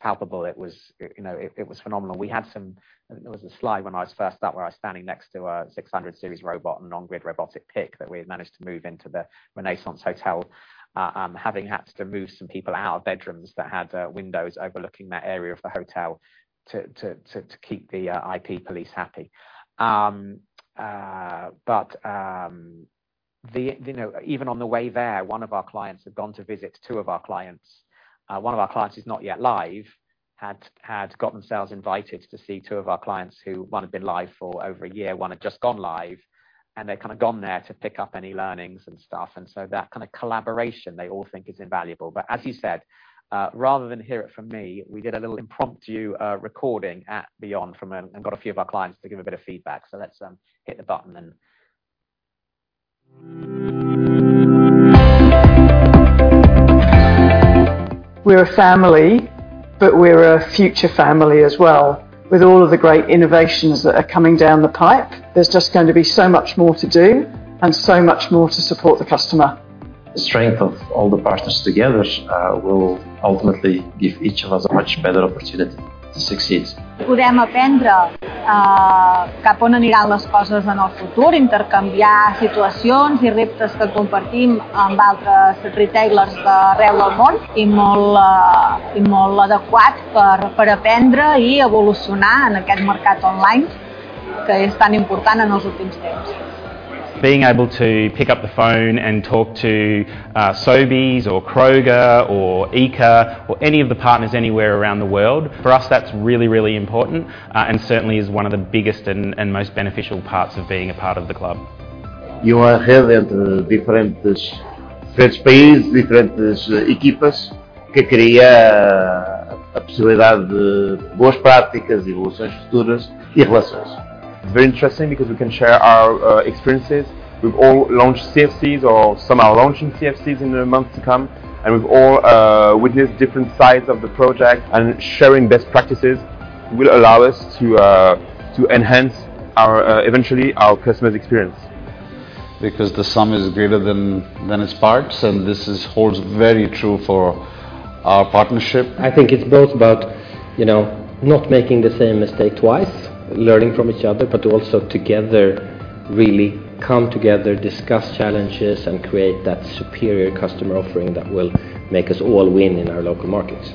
palpable. It was, you know, it was phenomenal. We had some. I think there was a slide when I was first up where I was standing next to a 600 Series robot, an on-grid robotic pick that we had managed to move into the Renaissance Hotel, having had to move some people out of bedrooms that had windows overlooking that area of the hotel to keep the IP police happy. You know, even on the way there, one of our clients had gone to visit two of our clients. One of our clients who's not yet live had got themselves invited to see two of our clients who one had been live for over a year, one had just gone live, and they'd kind of gone there to pick up any learnings and stuff. That kind of collaboration they all think is invaluable. As you said, rather than hear it from me, we did a little impromptu recording at Beyond and got a few of our clients to give a bit of feedback. Let's hit the button and we're a family, but we're a future family as well. With all of the great innovations that are coming down the pipe, there's just going to be so much more to do and so much more to support the customer. The strength of all the partners together will ultimately give each of us a much better opportunity to succeed. Podem aprendra cap on aniran les coses en el futur, intercanviar situacions i reptes que compartim amb altres retailers d'arreu del món i molt, i molt adequat per aprendre i evolucionar en aquest mercat online que és tan important en els últims temps. Being able to pick up the phone and talk to, Sobeys or Kroger or ICA or any of the partners anywhere around the world, for us, that's really, really important, and certainly is one of the biggest and most beneficial parts of being a part of the club. I have a network between different countries, different teams that creates the possibility of good practices, future evolutions and relationships. Very interesting because we can share our experiences. We've all launched CFCs or some are launching CFCs in the months to come. We've all witnessed different sides of the project and sharing best practices will allow us to eventually enhance our customer's experience. Because the sum is greater than its parts, and this holds very true for our partnership. I think it's both about, you know, not making the same mistake twice, learning from each other, but also together, really come together, discuss challenges, and create that superior customer offering that will make us all win in our local markets.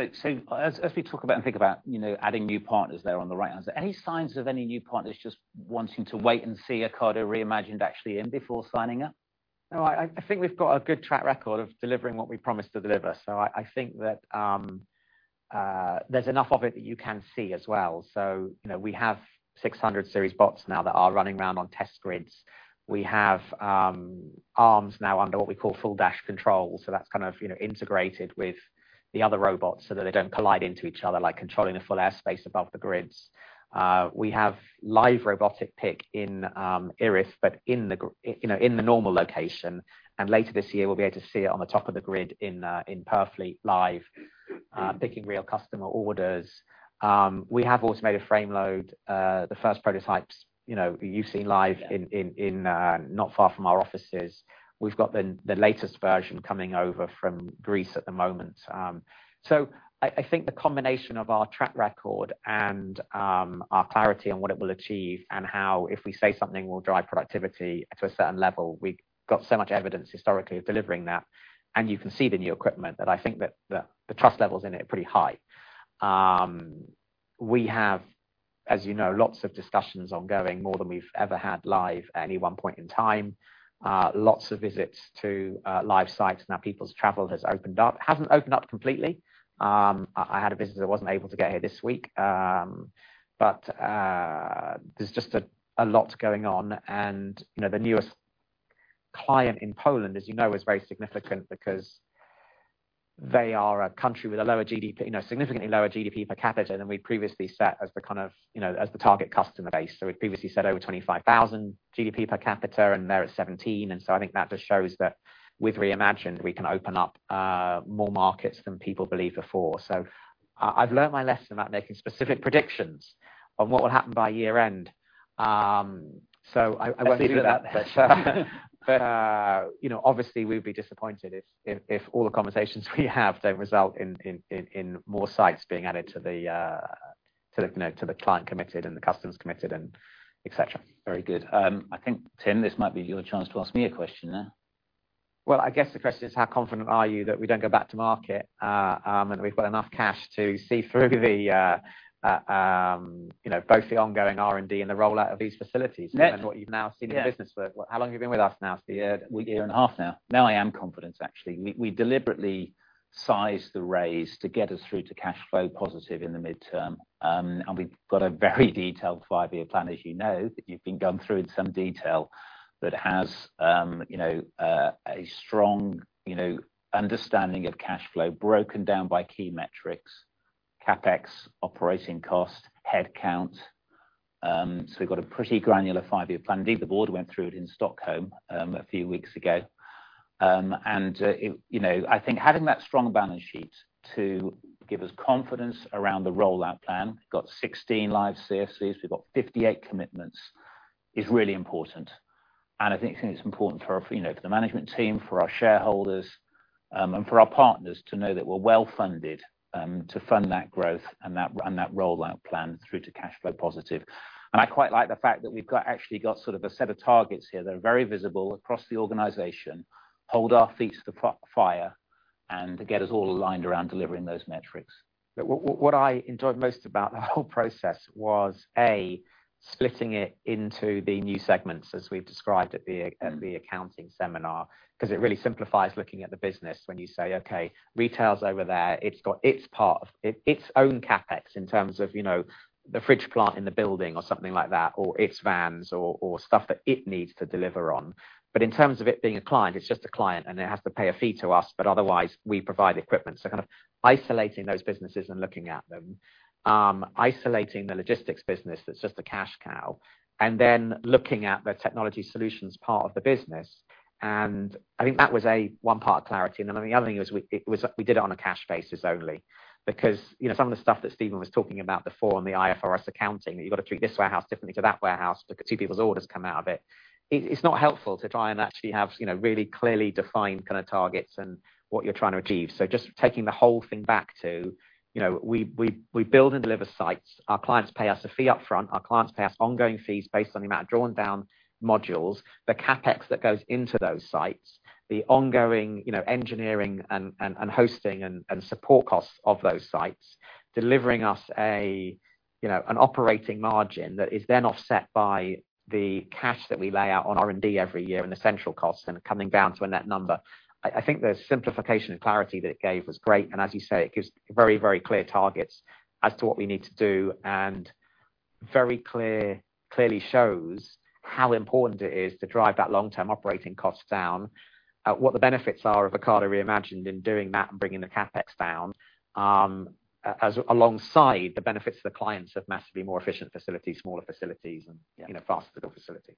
As we talk about and think about, you know, adding new partners there on the right, are there any signs of any new partners just wanting to wait and see Ocado Re:Imagined actually in before signing up? No, I think we've got a good track record of delivering what we promised to deliver. I think that there's enough of it that you can see as well. You know, we have 600 Series bots now that are running around on test grids. We have arms now under what we call full dash control, so that's kind of, you know, integrated with the other robots so that they don't collide into each other, like controlling the full airspace above the grids. We have live robotic pick in Erith, but you know, in the normal location. Later this year, we'll be able to see it on the top of the grid in Purfleet live picking real customer orders. We have automated frame load. The first prototypes, you know, you've seen live in not far from our offices. We've got the latest version coming over from Greece at the moment. I think the combination of our track record and our clarity on what it will achieve and how, if we say something will drive productivity to a certain level, we've got so much evidence historically of delivering that. You can see the new equipment, that I think the trust level's in it pretty high. We have, as you know, lots of discussions ongoing, more than we've ever had live at any one point in time. Lots of visits to live sites now people's travel has opened up. Hasn't opened up completely. I had a visitor wasn't able to get here this week. There's just a lot going on and, you know, the newest client in Poland, as you know, is very significant because they are a country with a lower GDP, you know, significantly lower GDP per capita than we previously set as the kind of, you know, as the target customer base. We previously said over 25,000 GDP per capita, and they're at 17,000 GDP. I think that just shows that with Re:Imagined, we can open up more markets than people believed before. I've learned my lesson about making specific predictions on what will happen by year-end. I won't do that. Let's leave it at that then. You know, obviously we'd be disappointed if all the conversations we have don't result in more sites being added to the client committed and the customers committed and et cetera. Very good. I think, Tim, this might be your chance to ask me a question now. Well, I guess the question is, how confident are you that we don't go back to market, and we've got enough cash to see through the you know, both the ongoing R&D and the rollout of these facilities. Yes. Given what you've now seen in the business work. How long have you been with us now? It's been a year and a half now. I am confident, actually. We deliberately sized the raise to get us through to cash flow positive in the midterm. We've got a very detailed five-year plan, as you know, that you've been going through in some detail that has, you know, a strong, you know, understanding of cash flow broken down by key metrics, CapEx, operating cost, headcount. We've got a pretty granular five-year plan. Indeed, the board went through it in Stockholm, a few weeks ago. It, you know, I think having that strong balance sheet to give us confidence around the rollout plan, we've got 16 live CFCs, we've got 58 commitments, is really important. I think it's important for, you know, for the management team, for our shareholders, and for our partners to know that we're well-funded to fund that growth and that rollout plan through to cash flow positive. I quite like the fact that we've actually got sort of a set of targets here that are very visible across the organization, hold our feet to the fire, and get us all aligned around delivering those metrics. What I enjoyed most about the whole process was splitting it into the new segments as we've described at the accounting seminar, 'cause it really simplifies looking at the business when you say, okay, retail's over there, it's got its part, its own CapEx in terms of, you know, the fridge plant in the building or something like that, or its vans or stuff that it needs to deliver on. But in terms of it being a client, it's just a client, and it has to pay a fee to us, but otherwise we provide the equipment. So kind of isolating those businesses and looking at them. Isolating the logistics business that's just a cash cow, and then looking at the technology solutions part of the business. I think that was a one part clarity. The other thing is, it was we did it on a cash basis only because, you know, some of the stuff that Stephen was talking about before in the IFRS accounting, you've got to treat this warehouse differently to that warehouse because two people's orders come out of it. It's not helpful to try and actually have, you know, really clearly defined kind of targets and what you're trying to achieve. Just taking the whole thing back to, you know, we build and deliver sites. Our clients pay us a fee up front. Our clients pay us ongoing fees based on the amount of drawn down modules. The CapEx that goes into those sites, the ongoing, you know, engineering and hosting and support costs of those sites, delivering us a, you know, an operating margin that is then offset by the cash that we lay out on R&D every year and the central costs and coming down to a net number. I think the simplification and clarity that it gave was great, and as you say, it gives very, very clear targets as to what we need to do and clearly shows how important it is to drive that long-term operating costs down, what the benefits are of Ocado Re:Imagined in doing that and bringing the CapEx down, as alongside the benefits to the clients of massively more efficient facilities, smaller facilities, and, you know, faster facilities.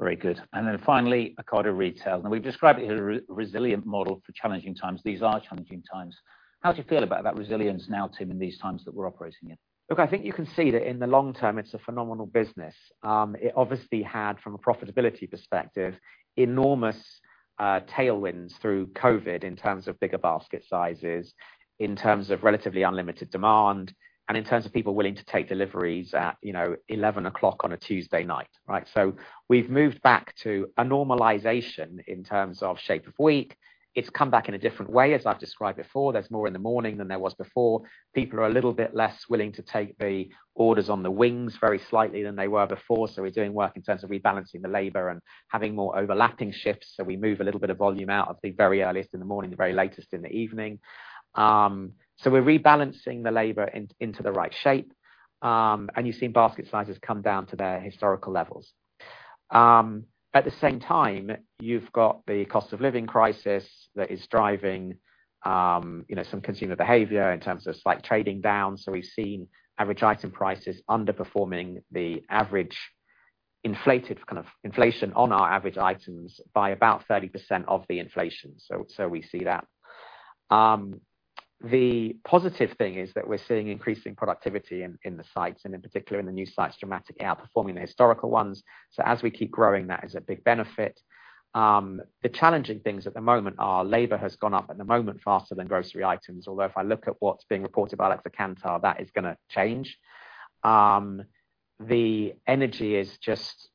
Very good. Finally, Ocado Retail. Now we've described it as a resilient model for challenging times. These are challenging times. How do you feel about that resilience now, Tim, in these times that we're operating in? Look, I think you can see that in the long term, it's a phenomenal business. It obviously had, from a profitability perspective, enormous tailwinds through COVID in terms of bigger basket sizes, in terms of relatively unlimited demand, and in terms of people willing to take deliveries at, you know, 11:00 P.M. on a Tuesday night, right? We've moved back to a normalization in terms of shape of week. It's come back in a different way, as I've described before. There's more in the morning than there was before. People are a little bit less willing to take the orders on the wings very slightly than they were before. We're doing work in terms of rebalancing the labor and having more overlapping shifts, so we move a little bit of volume out of the very earliest in the morning, the very latest in the evening. We're rebalancing the labor into the right shape. You've seen basket sizes come down to their historical levels. At the same time, you've got the cost of living crisis that is driving, you know, some consumer behavior in terms of slight trading down. We've seen average item prices underperforming the average inflated kind of inflation on our average items by about 30% of the inflation. We see that. The positive thing is that we're seeing increasing productivity in the sites, and in particular in the new sites dramatically outperforming the historical ones. As we keep growing, that is a big benefit. The challenging things at the moment are labor has gone up at the moment faster than grocery items. Although if I look at what's being reported by as per Kantar, that is gonna change. The energy is just,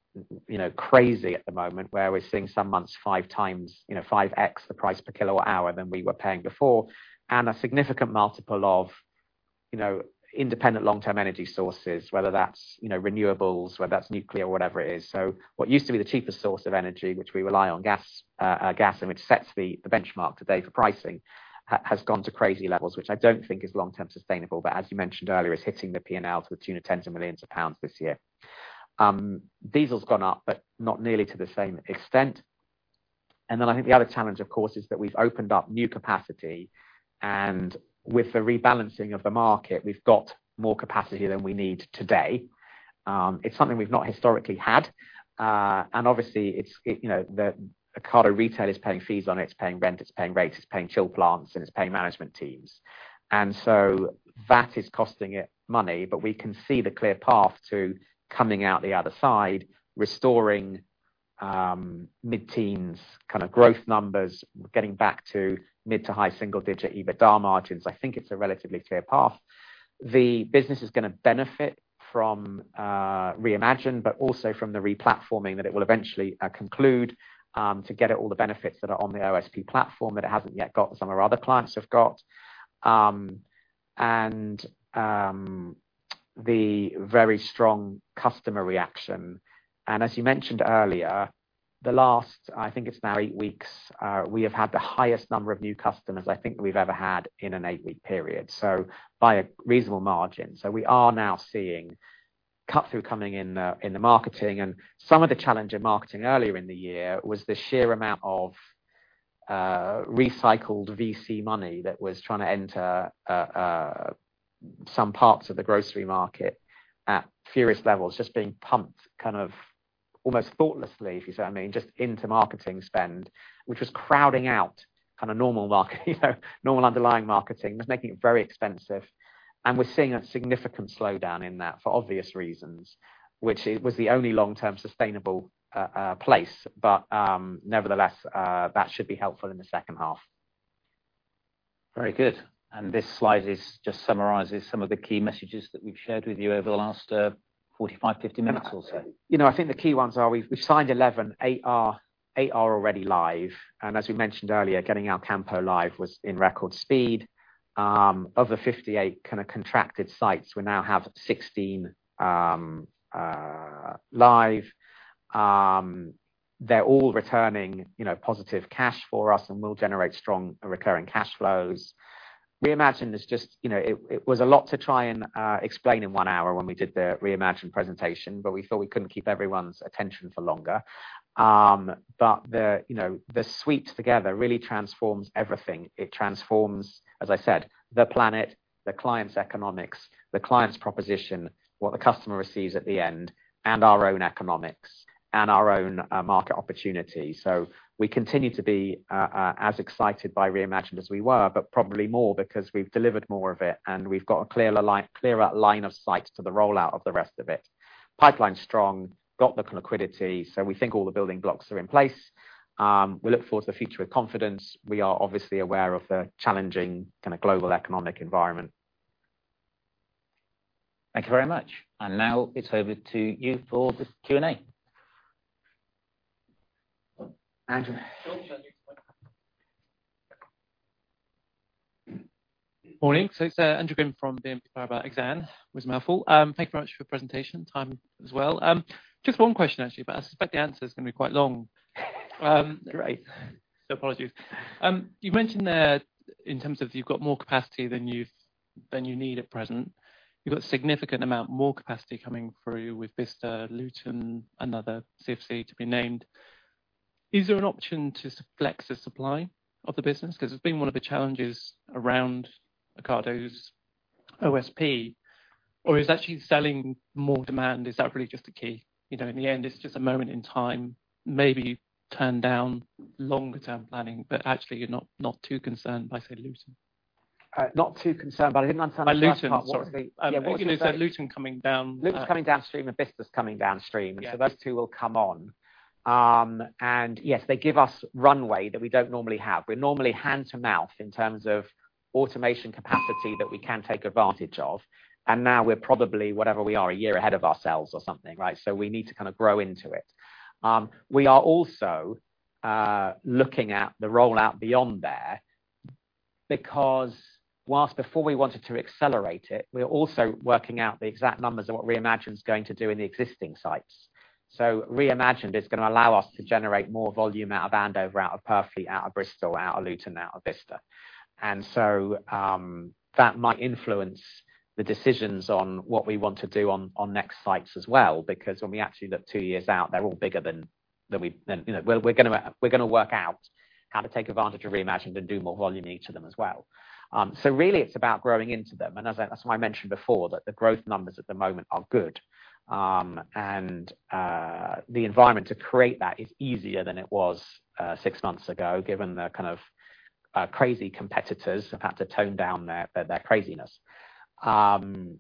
you know, crazy at the moment, where we're seeing some months 5x, you know, 5x the price per kilowatt hour than we were paying before, and a significant multiple of, you know, independent long-term energy sources, whether that's, you know, renewables, whether that's nuclear or whatever it is. What used to be the cheapest source of energy, which we rely on gas and which sets the benchmark today for pricing, has gone to crazy levels, which I don't think is long-term sustainable, but as you mentioned earlier, is hitting the P&L to the tune of tens of millions GBP this year. Diesel's gone up, but not nearly to the same extent. I think the other challenge, of course, is that we've opened up new capacity, and with the rebalancing of the market, we've got more capacity than we need today. It's something we've not historically had, and obviously, it's, you know, the Ocado Retail is paying fees on it's paying rent, it's paying rates, it's paying chiller plants, and it's paying management teams. That is costing it money, but we can see the clear path to coming out the other side, restoring mid-teens kind of growth numbers, getting back to mid- to high-single-digit EBITDA margins. I think it's a relatively clear path. The business is gonna benefit from Re:Imagined, but also from the replatforming that it will eventually conclude to get it all the benefits that are on the OSP platform that it hasn't yet got, some of our other clients have got. The very strong customer reaction. As you mentioned earlier, the last, I think it's now eight weeks, we have had the highest number of new customers I think we've ever had in an eight-week period. By a reasonable margin. We are now seeing cut-through coming in in the marketing. Some of the challenge in marketing earlier in the year was the sheer amount of recycled VC money that was trying to enter some parts of the grocery market at furious levels, just being pumped kind of almost thoughtlessly, if you see what I mean, just into marketing spend, which was crowding out kind of normal market, you know, normal underlying marketing. It was making it very expensive. We're seeing a significant slowdown in that for obvious reasons, which it was the only long-term sustainable place. Nevertheless, that should be helpful in the second half. Very good. This slide just summarizes some of the key messages that we've shared with you over the last 45, 50 minutes or so. You know, I think the key ones are we've signed 11, eight are already live. As we mentioned earlier, getting Alcampo live was in record speed. Of the 58 kinda contracted sites, we now have 16 live. They're all returning, you know, positive cash for us and will generate strong recurring cash flows. Re:Imagined is just. You know, it was a lot to try and explain in 1 hour when we did the Re:Imagined presentation, but we thought we couldn't keep everyone's attention for longer. But the, you know, the suite together really transforms everything. It transforms, as I said, the planet, the client's economics, the client's proposition, what the customer receives at the end, and our own economics and our own market opportunity. We continue to be as excited by Re:Imagined as we were, but probably more because we've delivered more of it, and we've got a clearer line of sight to the rollout of the rest of it. Pipeline's strong. Got the liquidity, so we think all the building blocks are in place. We look forward to the future with confidence. We are obviously aware of the challenging kind of global economic environment. Thank you very much. Now it's over to you for this Q&A. Andrew. Morning. It's Andrew Gwynn from BNP Paribas Exane. It was a mouthful. Thank you very much for your presentation. Time as well. Just one question actually, but I suspect the answer is gonna be quite long. Great. Apologies. You mentioned that in terms of you've got more capacity than you need at present. You've got significant amount more capacity coming through with Bicester, Luton, another CFC to be named. Is there an option to flex the supply of the business? 'Cause it's been one of the challenges around Ocado's OSP. Or is actually selling more demand, is that really just the key? You know, in the end, it's just a moment in time, maybe turn down longer term planning, but actually you're not too concerned by, say, Luton. Not too concerned, but I didn't understand the first part. By Luton, sorry. Yeah, what you said. You said Luton coming down. Luton’s coming downstream, and Bicester’s coming downstream. Yeah. Those two will come on. Yes, they give us runway that we don't normally have. We're normally hand to mouth in terms of automation capacity that we can take advantage of. Now we're probably, whatever we are, a year ahead of ourselves or something, right? We need to kinda grow into it. We are also looking at the rollout beyond there because while before we wanted to accelerate it, we're also working out the exact numbers of what Re:Imagined's going to do in the existing sites. Re:Imagined is gonna allow us to generate more volume out of Andover, out of Purfleet, out of Bristol, out of Luton, out of Bicester. That might influence the decisions on what we want to do on next sites as well, because when we actually look two years out, they're all bigger than you know. We're gonna work out how to take advantage of Re:Imagined and do more volume in each of them as well. Really it's about growing into them. As I mentioned before, that the growth numbers at the moment are good. The environment to create that is easier than it was six months ago, given the kind of crazy competitors have had to tone down their craziness. I'm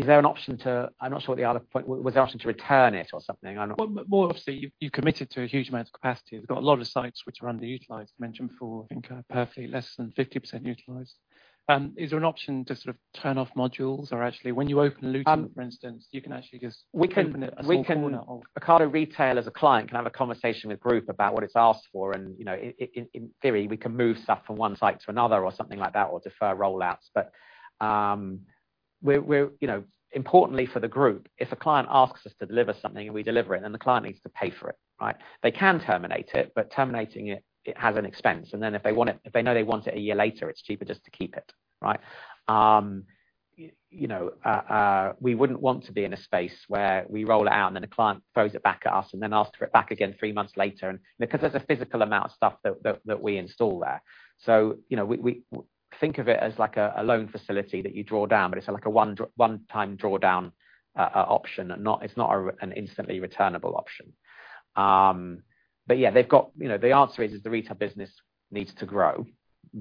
not sure what the other point was, the option to return it or something? Well, more obviously, you've committed to a huge amount of capacity. You've got a lot of sites which are underutilized. You mentioned before, I think, Purfleet less than 50% utilized. Is there an option to sort of turn off modules? Or actually, when you open Luton- Um- For instance, you can actually just. We can. -open a small corner of- Ocado Retail as a client can have a conversation with Group about what it's asked for and, you know, in theory, we can move stuff from one site to another or something like that, or defer rollouts. Importantly for the group, if a client asks us to deliver something, and we deliver it, then the client needs to pay for it, right? They can terminate it, but terminating it has an expense. If they want it, if they know they want it a year later, it's cheaper just to keep it, right? You know, we wouldn't want to be in a space where we roll it out, and then the client throws it back at us and then asks for it back again three months later. Because there's a physical amount of stuff that we install there. You know, think of it as like a loan facility that you draw down, but it's like a one time draw down option and not, it's not an instantly returnable option. Yeah, they've got. You know, the answer is the retail business needs to grow.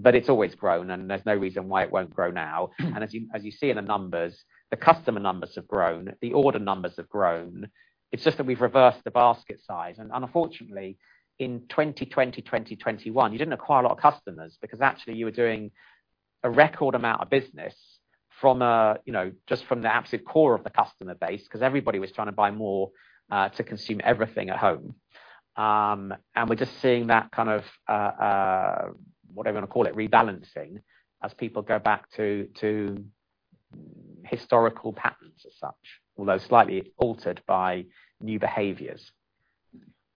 It's always grown, and there's no reason why it won't grow now. Mm-hmm. As you see in the numbers, the customer numbers have grown. The order numbers have grown. It's just that we've reversed the basket size. Unfortunately, in 2020, 2021, you didn't acquire a lot of customers because actually you were doing a record amount of business from a, you know, just from the absolute core of the customer base, 'cause everybody was trying to buy more, to consume everything at home. We're just seeing that kind of whatever you wanna call it, rebalancing as people go back to historical patterns as such, although slightly altered by new behaviors.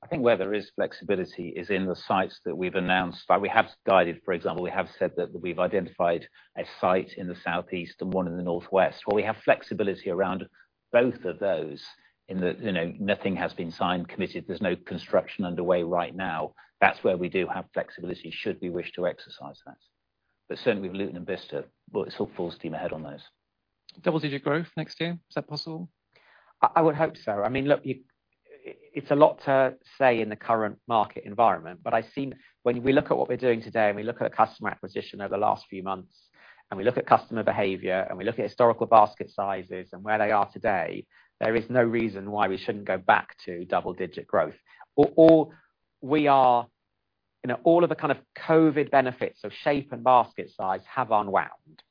I think where there is flexibility is in the sites that we've announced. Like we have guided, for example, we have said that we've identified a site in the southeast and one in the northwest, where we have flexibility around both of those in that, you know, nothing has been signed, committed. There's no construction underway right now. That's where we do have flexibility should we wish to exercise that. Certainly with Luton and Bicester, well, it's all full steam ahead on those. Double-digit growth next year, is that possible? I would hope so. I mean, look, it's a lot to say in the current market environment. I've seen. When we look at what we're doing today, and we look at customer acquisition over the last few months, and we look at customer behavior, and we look at historical basket sizes and where they are today, there is no reason why we shouldn't go back to double digit growth. Or we are. You know, all of the kind of COVID benefits of share and basket size have unwound.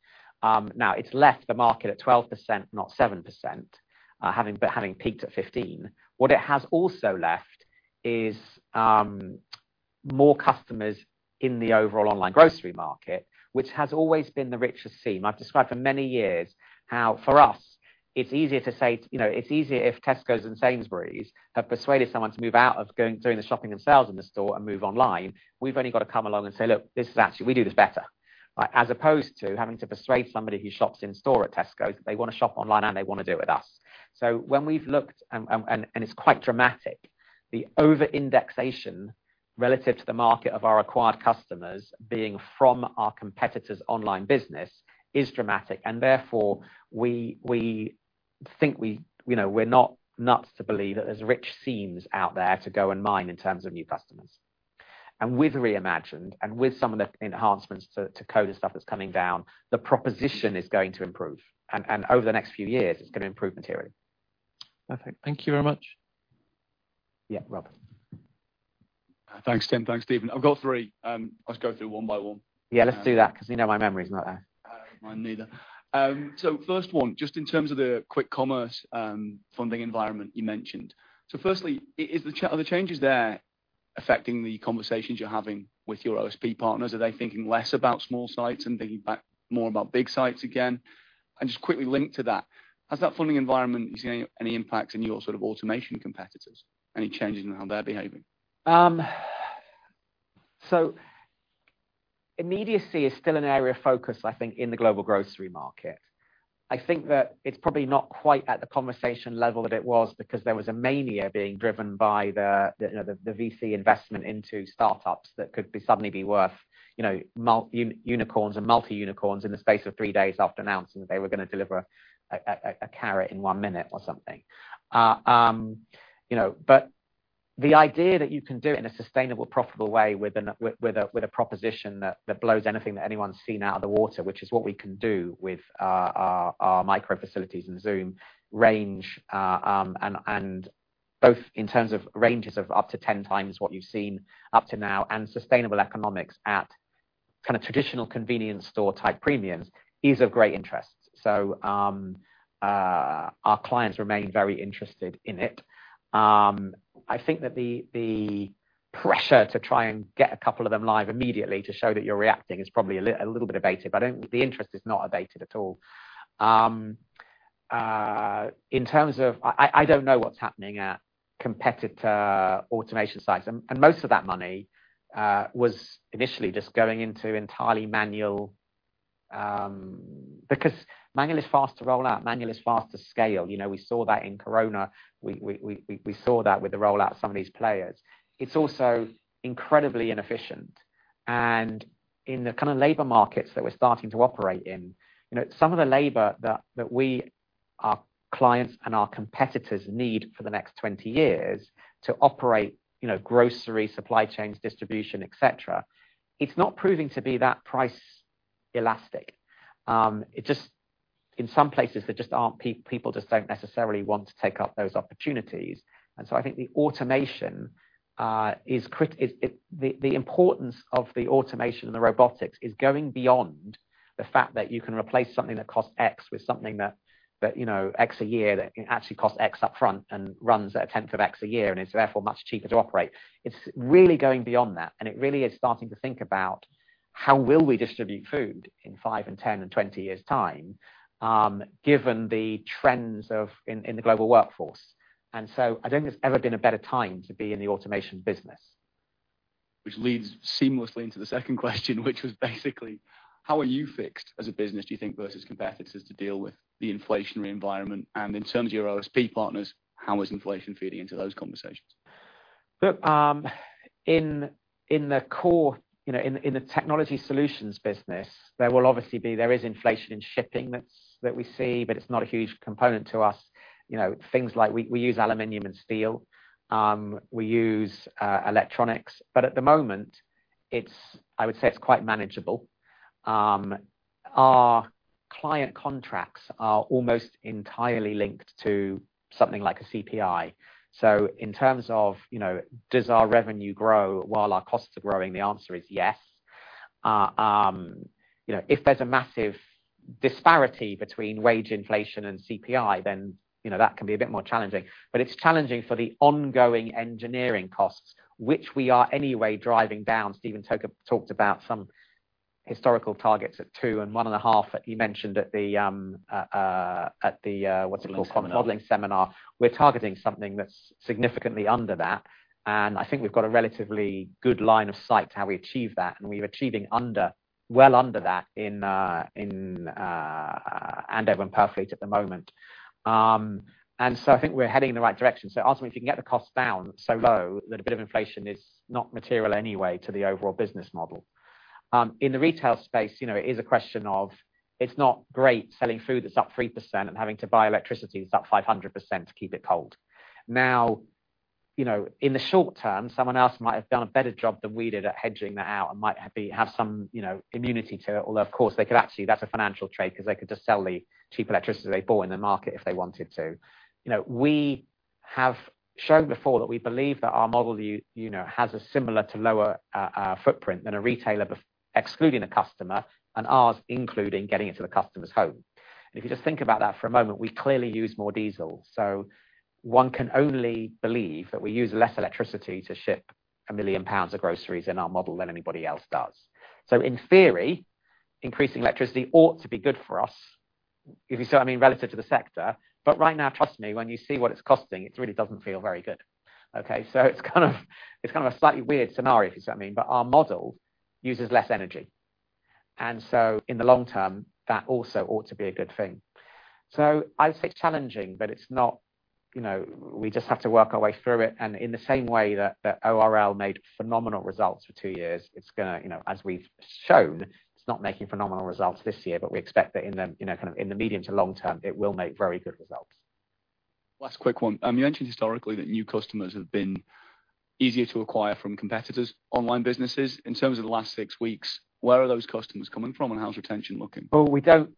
Now it's left the market at 12%, not 7%, having peaked at 15%. What it has also left is more customers in the overall online grocery market, which has always been the richest seam. I've described for many years how, for us, it's easier to say, you know, it's easier if Tesco and Sainsbury's have persuaded someone to move out of going, doing the shopping themselves in the store and move online. We've only got to come along and say, "Look, this is actually, we do this better." Right? As opposed to having to persuade somebody who shops in store at Tesco that they wanna shop online and they wanna do it with us. So when we've looked, and it's quite dramatic, the over-indexation relative to the market of our acquired customers being from our competitors' online business is dramatic. Therefore, we think we, you know, we're not nuts to believe that there's rich seams out there to go and mine in terms of new customers. And with Re:Imagined and with some of the enhancements to code and stuff that's coming down, the proposition is going to improve. Over the next few years, it's gonna improve materially. Perfect. Thank you very much. Yeah. Rob. Thanks, Tim. Thanks, Stephen. I've got three. Let's go through one by one. Yeah, let's do that 'cause you know my memory is not there. Mine neither. First one, just in terms of the quick commerce funding environment you mentioned. Firstly, are the changes there affecting the conversations you're having with your OSP partners? Are they thinking less about small sites and thinking back more about big sites again? Just quickly linked to that, has that funding environment, are you seeing any impacts in your sort of automation competitors? Any changes in how they're behaving? Immediacy is still an area of focus, I think, in the global grocery market. I think that it's probably not quite at the conversation level that it was because there was a mania being driven by the VC investment into startups that could suddenly be worth, you know, multi-unicorns and multi-unicorns in the space of three days after announcing that they were gonna deliver a carrot in one minute or something. You know, the idea that you can do it in a sustainable, profitable way with a proposition that blows anything that anyone's seen out of the water, which is what we can do with our micro facilities and Zoom range, and both in terms of ranges of up to 10x what you've seen up to now and sustainable economics at kinda traditional convenience store type premiums is of great interest. Our clients remain very interested in it. I think that the pressure to try and get a couple of them live immediately to show that you're reacting is probably a little bit abated, but the interest is not abated at all. In terms of... I don't know what's happening at competitor automation sites and most of that money was initially just going into entirely manual because manual is fast to roll out. Manual is fast to scale. You know, we saw that in Corona. We saw that with the rollout of some of these players. It's also incredibly inefficient. In the kind of labor markets that we're starting to operate in, you know, some of the labor that we, our clients and our competitors need for the next 20 years to operate, you know, grocery supply chains, distribution, et cetera, it's not proving to be that price elastic. It just, in some places there just aren't people just don't necessarily want to take up those opportunities. I think the importance of the automation and the robotics is going beyond the fact that you can replace something that costs X with something that, you know, X a year, that actually costs X up front and runs at a 10th of X a year and is therefore much cheaper to operate. It's really going beyond that, and it really is starting to think about how will we distribute food in five and 10 and 20 years' time, given the trends in the global workforce. I don't think there's ever been a better time to be in the automation business. Which leads seamlessly into the second question, which was basically, how are you fixed as a business, do you think, versus competitors to deal with the inflationary environment? In terms of your OSP partners, how is inflation feeding into those conversations? Look, in the core, you know, in the technology solutions business, there is inflation in shipping that we see, but it's not a huge component to us. You know, things like we use aluminum and steel. We use electronics, but at the moment, I would say it's quite manageable. Our client contracts are almost entirely linked to something like a CPI. In terms of, you know, does our revenue grow while our costs are growing? The answer is yes. You know, if there's a massive disparity between wage inflation and CPI, then, you know, that can be a bit more challenging. It's challenging for the ongoing engineering costs, which we are anyway driving down. Stephen talked about some historical targets at 2% and 1.5% that he mentioned at the what's it called? Modeling seminar. Modeling seminar. We're targeting something that's significantly under that, and I think we've got a relatively good line of sight to how we achieve that. We're achieving under, well under that in Andover and Purfleet at the moment. I think we're heading in the right direction. Ultimately, if you can get the cost down so low that a bit of inflation is not material anyway to the overall business model. In the retail space, you know, it is a question of it's not great selling food that's up 3% and having to buy electricity that's up 500% to keep it cold. Now, you know, in the short term, someone else might have done a better job than we did at hedging that out and might have some, you know, immunity to it. Although, of course, they could actually, that's a financial trade 'cause they could just sell the cheap electricity they bought in the market if they wanted to. You know, we have shown before that we believe that our model, you know, has a similar to lower footprint than a retailer excluding the customer and ours including getting it to the customer's home. If you just think about that for a moment, we clearly use more diesel, so one can only believe that we use less electricity to ship 1 million pounds of groceries in our model than anybody else does. In theory, increasing electricity ought to be good for us, if you see what I mean, relative to the sector. Right now, trust me, when you see what it's costing, it really doesn't feel very good. Okay? It's kind of a slightly weird scenario, if you see what I mean. Our model uses less energy. In the long term, that also ought to be a good thing. I would say it's challenging, but it's not, you know. We just have to work our way through it. In the same way that ORL made phenomenal results for two years, it's gonna, you know, as we've shown, it's not making phenomenal results this year, but we expect that in the, you know, kind of in the medium to long term, it will make very good results. Last quick one. You mentioned historically that new customers have been easier to acquire from competitors' online businesses. In terms of the last six weeks, where are those customers coming from, and how's retention looking? Well,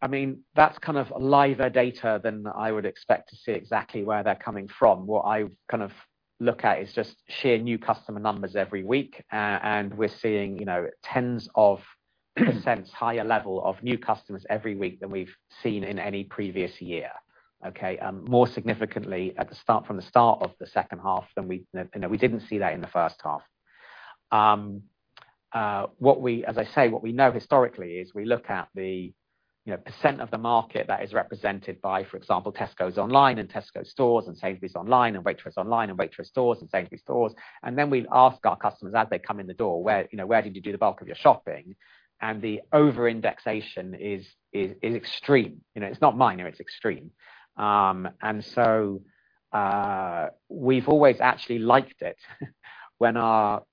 I mean, that's kind of livelier data than I would expect to see exactly where they're coming from. What I would kind of look at is just sheer new customer numbers every week. We're seeing, you know, tens of % higher level of new customers every week than we've seen in any previous year. Okay, more significantly at the start, from the start of the second half than we. You know, we didn't see that in the first half. As I say, what we know historically is we look at the percent of the market that is represented by, for example, Tesco online and Tesco stores, and Sainsbury's online and Waitrose online, and Waitrose stores and Sainsbury's stores, and then we ask our customers as they come in the door, "Where did you do the bulk of your shopping?" The over-indexation is extreme. You know, it's not minor, it's extreme. We've always actually liked it when our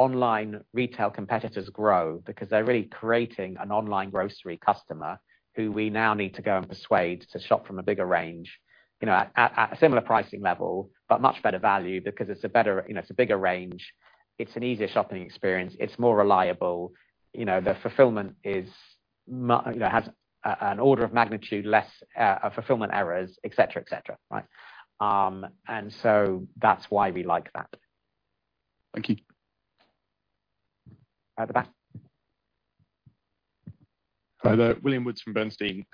online retail competitors grow because they're really creating an online grocery customer who we now need to go and persuade to shop from a bigger range, you know, at a similar pricing level, but much better value because it's a better, you know, it's a bigger range, it's an easier shopping experience, it's more reliable. You know, the fulfillment has an order of magnitude less fulfillment errors, et cetera, right? That's why we like that. Thank you. At the back. Hi there. William Woods from Bernstein.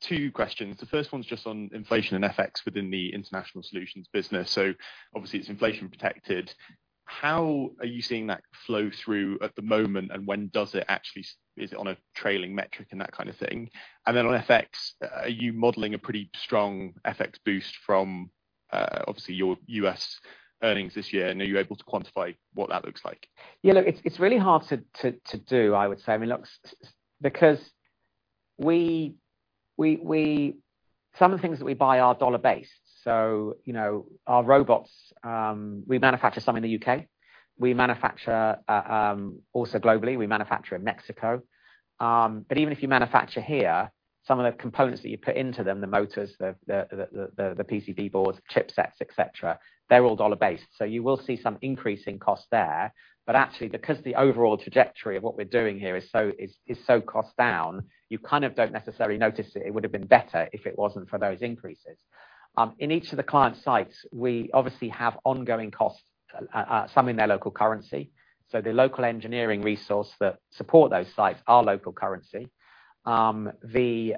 Two questions. The first one's just on inflation and FX within the international solutions business. So obviously it's inflation protected. How are you seeing that flow through at the moment, and when does it actually? Is it on a trailing metric and that kind of thing? And then on FX, are you modeling a pretty strong FX boost from, obviously your U.S. earnings this year? And are you able to quantify what that looks like? You know, it's really hard to do, I would say. I mean, look, some of the things that we buy are dollar-based. You know, our robots, we manufacture some in the U.K. We manufacture also globally. We manufacture in Mexico. Even if you manufacture here, some of the components that you put into them, the motors, the PCB boards, chipsets, et cetera, they're all dollar-based. You will see some increase in cost there. Actually, because the overall trajectory of what we're doing here is so cost down, you kind of don't necessarily notice it. It would've been better if it wasn't for those increases. In each of the client sites, we obviously have ongoing costs, some in their local currency. The local engineering resource that support those sites are local currency. The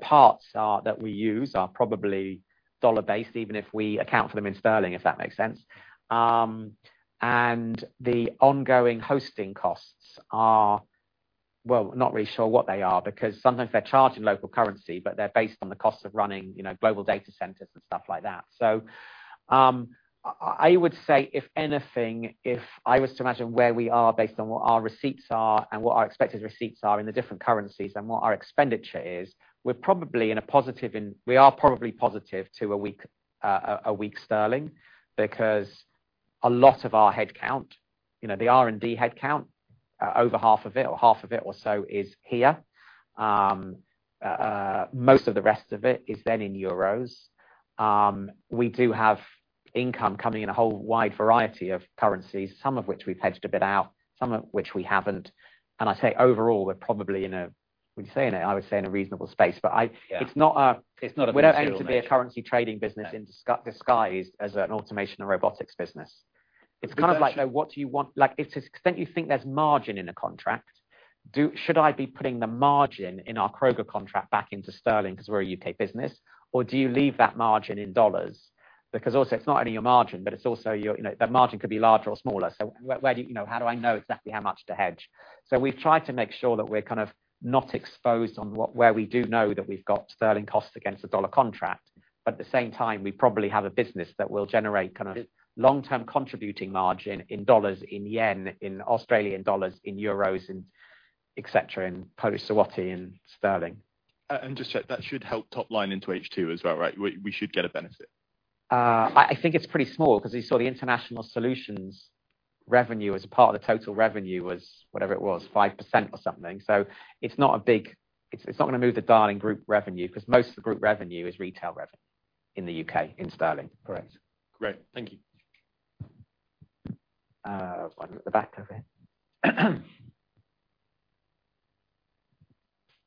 parts that we use are probably dollar-based, even if we account for them in sterling, if that makes sense. The ongoing hosting costs are. Well, we're not really sure what they are, because sometimes they're charged in local currency, but they're based on the cost of running, you know, global data centers and stuff like that. I would say, if anything, if I was to imagine where we are based on what our receipts are and what our expected receipts are in the different currencies and what our expenditure is, we're probably positive to a weak sterling because a lot of our headcount, you know, the R&D headcount, over half of it or so is here. Most of the rest of it is then in euros. We do have income coming in a whole wide variety of currencies, some of which we've hedged a bit out, some of which we haven't. I say overall, we're probably in a, would you say in a, I would say in a reasonable space. But I- Yeah. It's not a- It's not a material risk. We don't aim to be a currency trading business in disguise as an automation and robotics business. It's kind of like- But- You know, what do you want? Like, to the extent you think there's margin in a contract, should I be putting the margin in our Kroger contract back into sterling because we're a U.K. business, or do you leave that margin in dollars? Because also, it's not only your margin, but it's also your, you know, the margin could be larger or smaller. Where, where do you know? How do I know exactly how much to hedge? We've tried to make sure that we're kind of not exposed on what, where we do know that we've got sterling costs against a dollar contract. At the same time, we probably have a business that will generate kind of long-term contributing margin in dollars, in yen, in Australian dollars, in euros, and et cetera, and pula, Eswatini, and sterling. Just check, that should help top line into H2 as well, right? We should get a benefit. I think it's pretty small because you saw the international solutions revenue as a part of the total revenue was whatever it was, 5% or something. It's not gonna move the Ocado Group revenue because most of the group revenue is retail revenue in the U.K. in sterling. Correct. Great. Thank you. One at the back over here.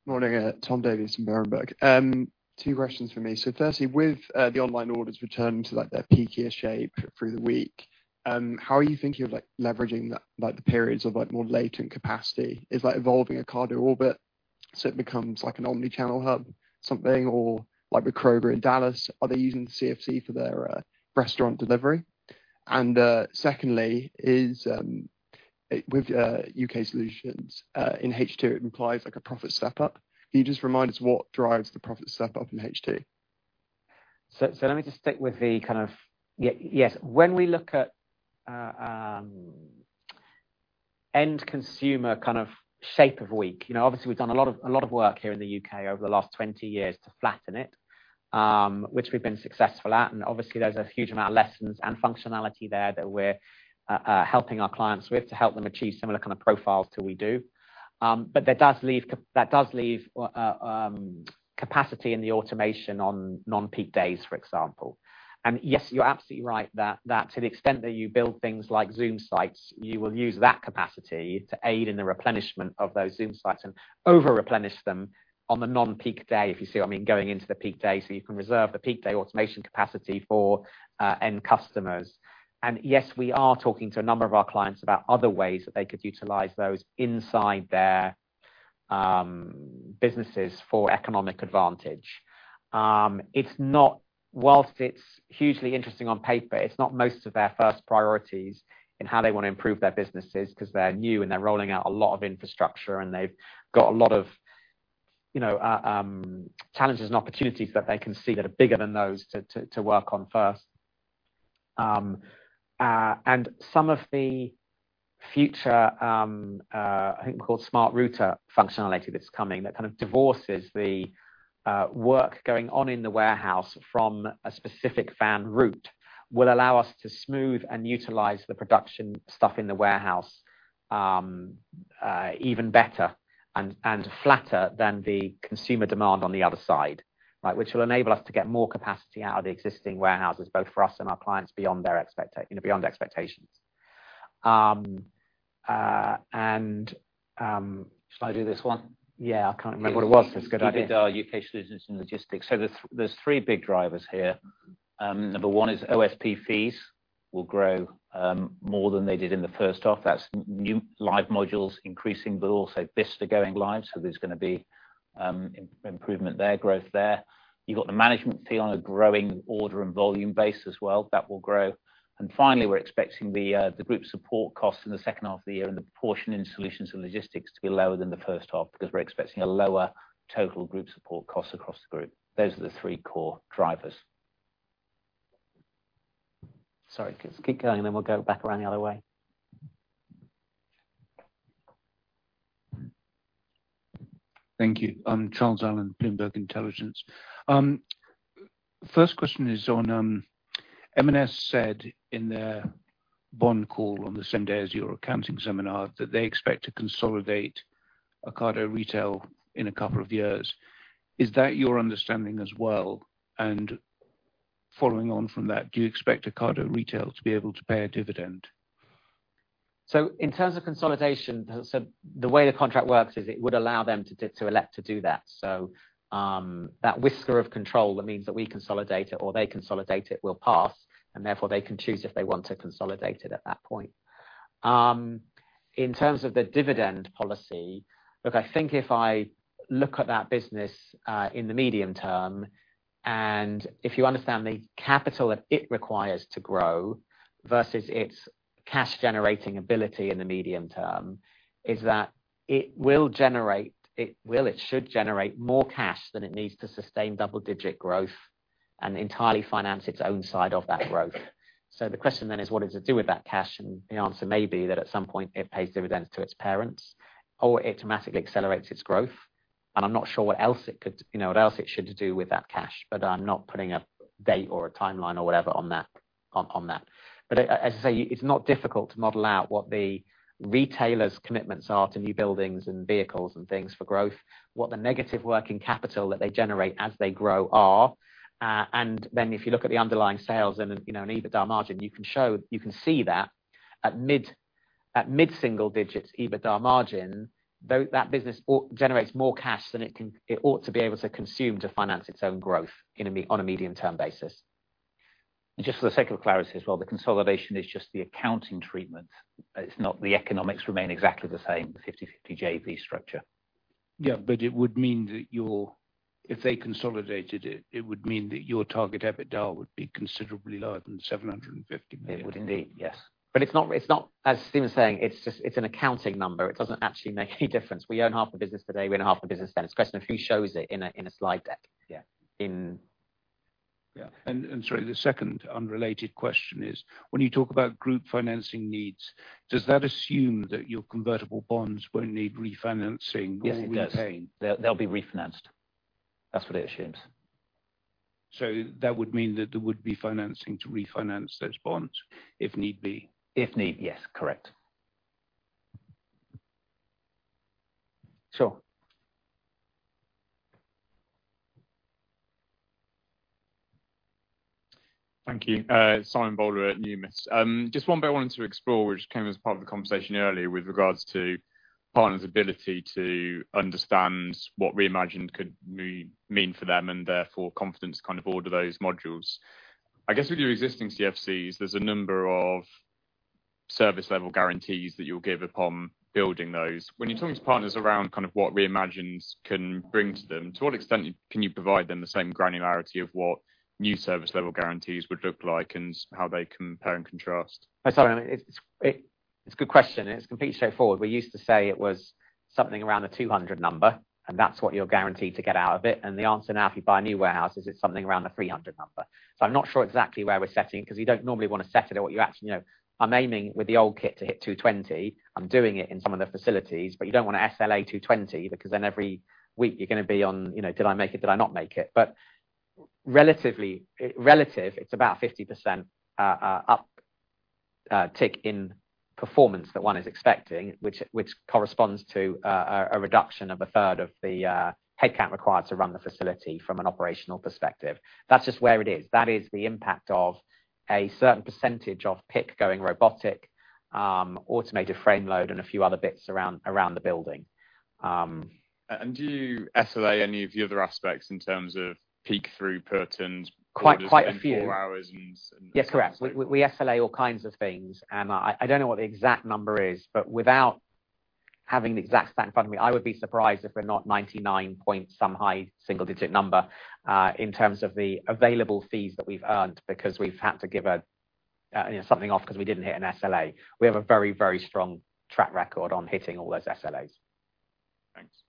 Morning. Tom Davies from Berenberg. Two questions for me. Firstly, with the online orders returning to, like, their peakier shape through the week, how are you thinking of, like, leveraging that, like the periods of, like, more latent capacity? Is that evolving Ocado Orbit? So it becomes like an omni-channel hub, something or like with Kroger in Dallas, are they using the CFC for their restaurant delivery? Secondly, with U.K. solutions in H2, it implies like a profit step up. Can you just remind us what drives the profit step up in H2? Let me just stick with the kind of yes. When we look at end consumer kind of shape of week, you know, obviously we've done a lot of work here in the U.K. over the last 20 years to flatten it, which we've been successful at, and obviously there's a huge amount of lessons and functionality there that we're helping our clients with to help them achieve similar kind of profiles to we do. That does leave capacity in the automation on non-peak days, for example. Yes, you're absolutely right that to the extent that you build things like Zoom sites, you will use that capacity to aid in the replenishment of those Zoom sites and over-replenish them on the non-peak day, if you see what I mean, going into the peak day, so you can reserve the peak day automation capacity for end customers. Yes, we are talking to a number of our clients about other ways that they could utilize those inside their businesses for economic advantage. Whilst it's hugely interesting on paper, it's not most of their first priorities in how they wanna improve their businesses, 'cause they're new and they're rolling out a lot of infrastructure and they've got a lot of, you know, challenges and opportunities that they can see that are bigger than those to work on first. Some of the future Swift Router functionality that's coming that kind of divorces the work going on in the warehouse from a specific van route will allow us to smooth and utilize the production stuff in the warehouse even better and flatter than the consumer demand on the other side, right? Which will enable us to get more capacity out of the existing warehouses, both for us and our clients beyond their expectations, you know. Shall I do this one? Yeah, I can't remember what it was. That's a good idea. EBITDA, U.K. solutions and logistics. There's three big drivers here. Number one is OSP fees will grow more than they did in the first half. That's new live modules increasing, but also Bicester going live, so there's gonna be improvement there, growth there. You've got the management fee on a growing order and volume base as well. That will grow. Finally, we're expecting the group support costs in the second half of the year and the proportion in solutions and logistics to be lower than the first half, because we're expecting a lower total group support costs across the group. Those are the three core drivers. Sorry, just keep going, and then we'll go back around the other way. Thank you. I'm Charles Allen, Bloomberg Intelligence. First question is on M&S said in their bond call on the same day as your accounting seminar that they expect to consolidate Ocado Retail in a couple of years. Is that your understanding as well? Following on from that, do you expect Ocado Retail to be able to pay a dividend? In terms of consolidation, the way the contract works is it would allow them to elect to do that. That whisker of control that means that we consolidate it or they consolidate it will pass, and therefore they can choose if they want to consolidate it at that point. In terms of the dividend policy, look, I think if I look at that business, in the medium term, and if you understand the capital that it requires to grow versus its cash generating ability in the medium term, it will generate more cash than it needs to sustain double-digit growth and entirely finance its own side of that growth. The question then is what does it do with that cash? The answer may be that at some point it pays dividends to its parents or it dramatically accelerates its growth. I'm not sure what else it could, you know, what else it should do with that cash, but I'm not putting a date or a timeline or whatever on that. As I say, it's not difficult to model out what the retailers' commitments are to new buildings and vehicles and things for growth, what the negative working capital that they generate as they grow are, and then if you look at the underlying sales and, you know, an EBITDA margin, you can see that at mid-single digits EBITDA margin, that business generates more cash than it ought to be able to consume to finance its own growth on a medium-term basis. Just for the sake of clarity as well, the consolidation is just the accounting treatment. The economics remain exactly the same, the 50/50 JV structure. If they consolidated it would mean that your target EBITDA would be considerably lower than 750 million. It would indeed, yes. It's not, as Stephen's saying, it's just an accounting number. It doesn't actually make any difference. We own half the business today, we own half the business then. It's a question of who shows it in a slide deck. Yeah. In- Sorry, the second unrelated question is, when you talk about group financing needs, does that assume that your convertible bonds won't need refinancing or repaying? Yes, it does. They'll be refinanced. That's what it assumes. That would mean that there would be financing to refinance those bonds if need be? If need, yes, correct. Sure. Thank you. Simon Bowler at Numis. Just one bit I wanted to explore, which came as part of the conversation earlier with regards to partners' ability to understand what Re:Imagined could mean for them, and therefore confidence to kind of order those modules. I guess with your existing CFCs, there's a number of service level guarantees that you'll give upon building those. When you're talking to partners around kind of what Re:Imagined can bring to them, to what extent can you provide them the same granularity of what new service level guarantees would look like and how they compare and contrast? Sorry, it's a good question, and it's completely straightforward. We used to say it was something around the 200 number, and that's what you're guaranteed to get out of it. The answer now, if you buy a new warehouse, is it's something around the 300 number. I'm not sure exactly where we're setting, 'cause you don't normally wanna set it at what you actually, you know, I'm aiming with the old kit to hit 220. I'm doing it in some of the facilities, but you don't wanna SLA 220 because then every week you're gonna be on, you know, did I make it, did I not make it? Relatively, it's about 50% uptick in performance that one is expecting, which corresponds to a reduction of a third of the headcount required to run the facility from an operational perspective. That's just where it is. That is the impact of a certain percentage of pick going robotic, automated frame load and a few other bits around the building. Do you SLA any of the other aspects in terms of peak throughput and- Quite, quite a few. Four hours and- Yes, correct. We SLA all kinds of things. I don't know what the exact number is, but without having the exact stat in front of me, I would be surprised if we're not 99. some high single-digit number% in terms of the available fees that we've earned because we've had to give, you know, something off 'cause we didn't hit an SLA. We have a very, very strong track record on hitting all those SLAs. Thanks.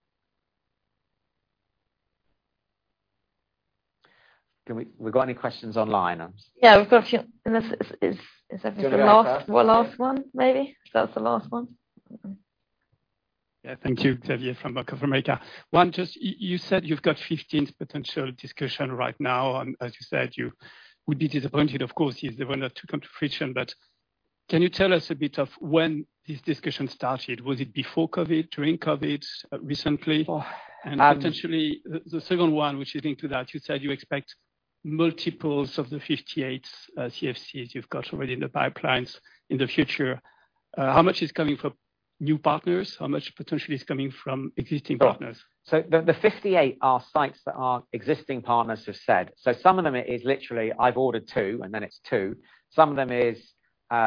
Have we got any questions online? Yeah, we've got a few. Unless, is that the last? Should we wrap up? The last one, maybe. If that's the last one. Yeah. Thank you. Xavier from Bank of America. One, just you said you've got 15 potential discussion right now. As you said, you would be disappointed, of course, if they were not to come to fruition. Can you tell us a bit of when this discussion started? Was it before COVID, during COVID, recently? Uh- Potentially, the second one, which is linked to that, you said you expect multiples of the 58 CFCs you've got already in the pipelines in the future. How much is coming from new partners? How much potentially is coming from existing partners? The 58 are sites that our existing partners have said. Some of them it is literally I've ordered two, and then it's two. Some of them is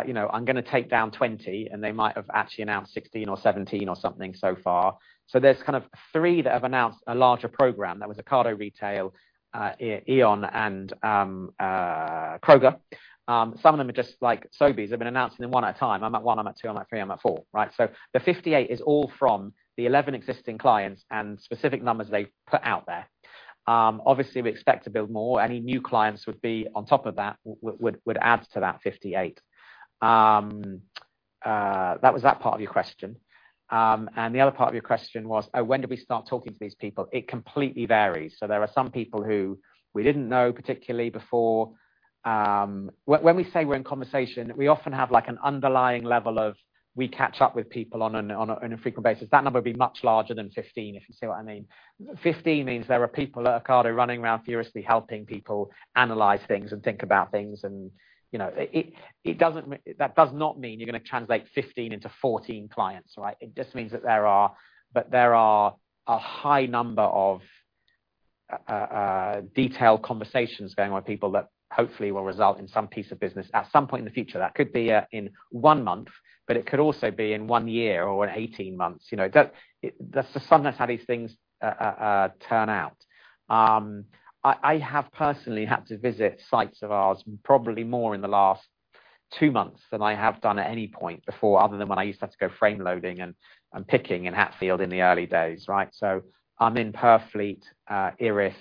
you know I'm gonna take on 20, and they might have actually announced 16 or 17 or something so far. There's kind of three that have announced a larger program. That was Ocado Retail, Aeon and Kroger. Some of them are just like Sobeys have been announcing them one at a time. I'm at one, I'm at two, I'm at three, I'm at four, right? The 58 is all from the 11 existing clients and specific numbers they've put out there. Obviously, we expect to build more. Any new clients would be on top of that would add to that 58. That was that part of your question. The other part of your question was, oh, when did we start talking to these people? It completely varies. There are some people who we didn't know particularly before. When we say we're in conversation, we often have, like, an underlying level of, we catch up with people on a frequent basis. That number would be much larger than 15, if you see what I mean. 15 means there are people at Ocado running around furiously helping people analyze things and think about things and, you know. That does not mean you're gonna translate 15 into 14 clients, right? It just means that there is a high number of detailed conversations going on with people that hopefully will result in some piece of business at some point in the future. That could be in one month, but it could also be in one year or 18 months. You know, that's just sometimes how these things turn out. I have personally had to visit sites of ours probably more in the last two months than I have done at any point before, other than when I used to have to go frame loading and picking in Hatfield in the early days, right? I'm in Purfleet, Erith,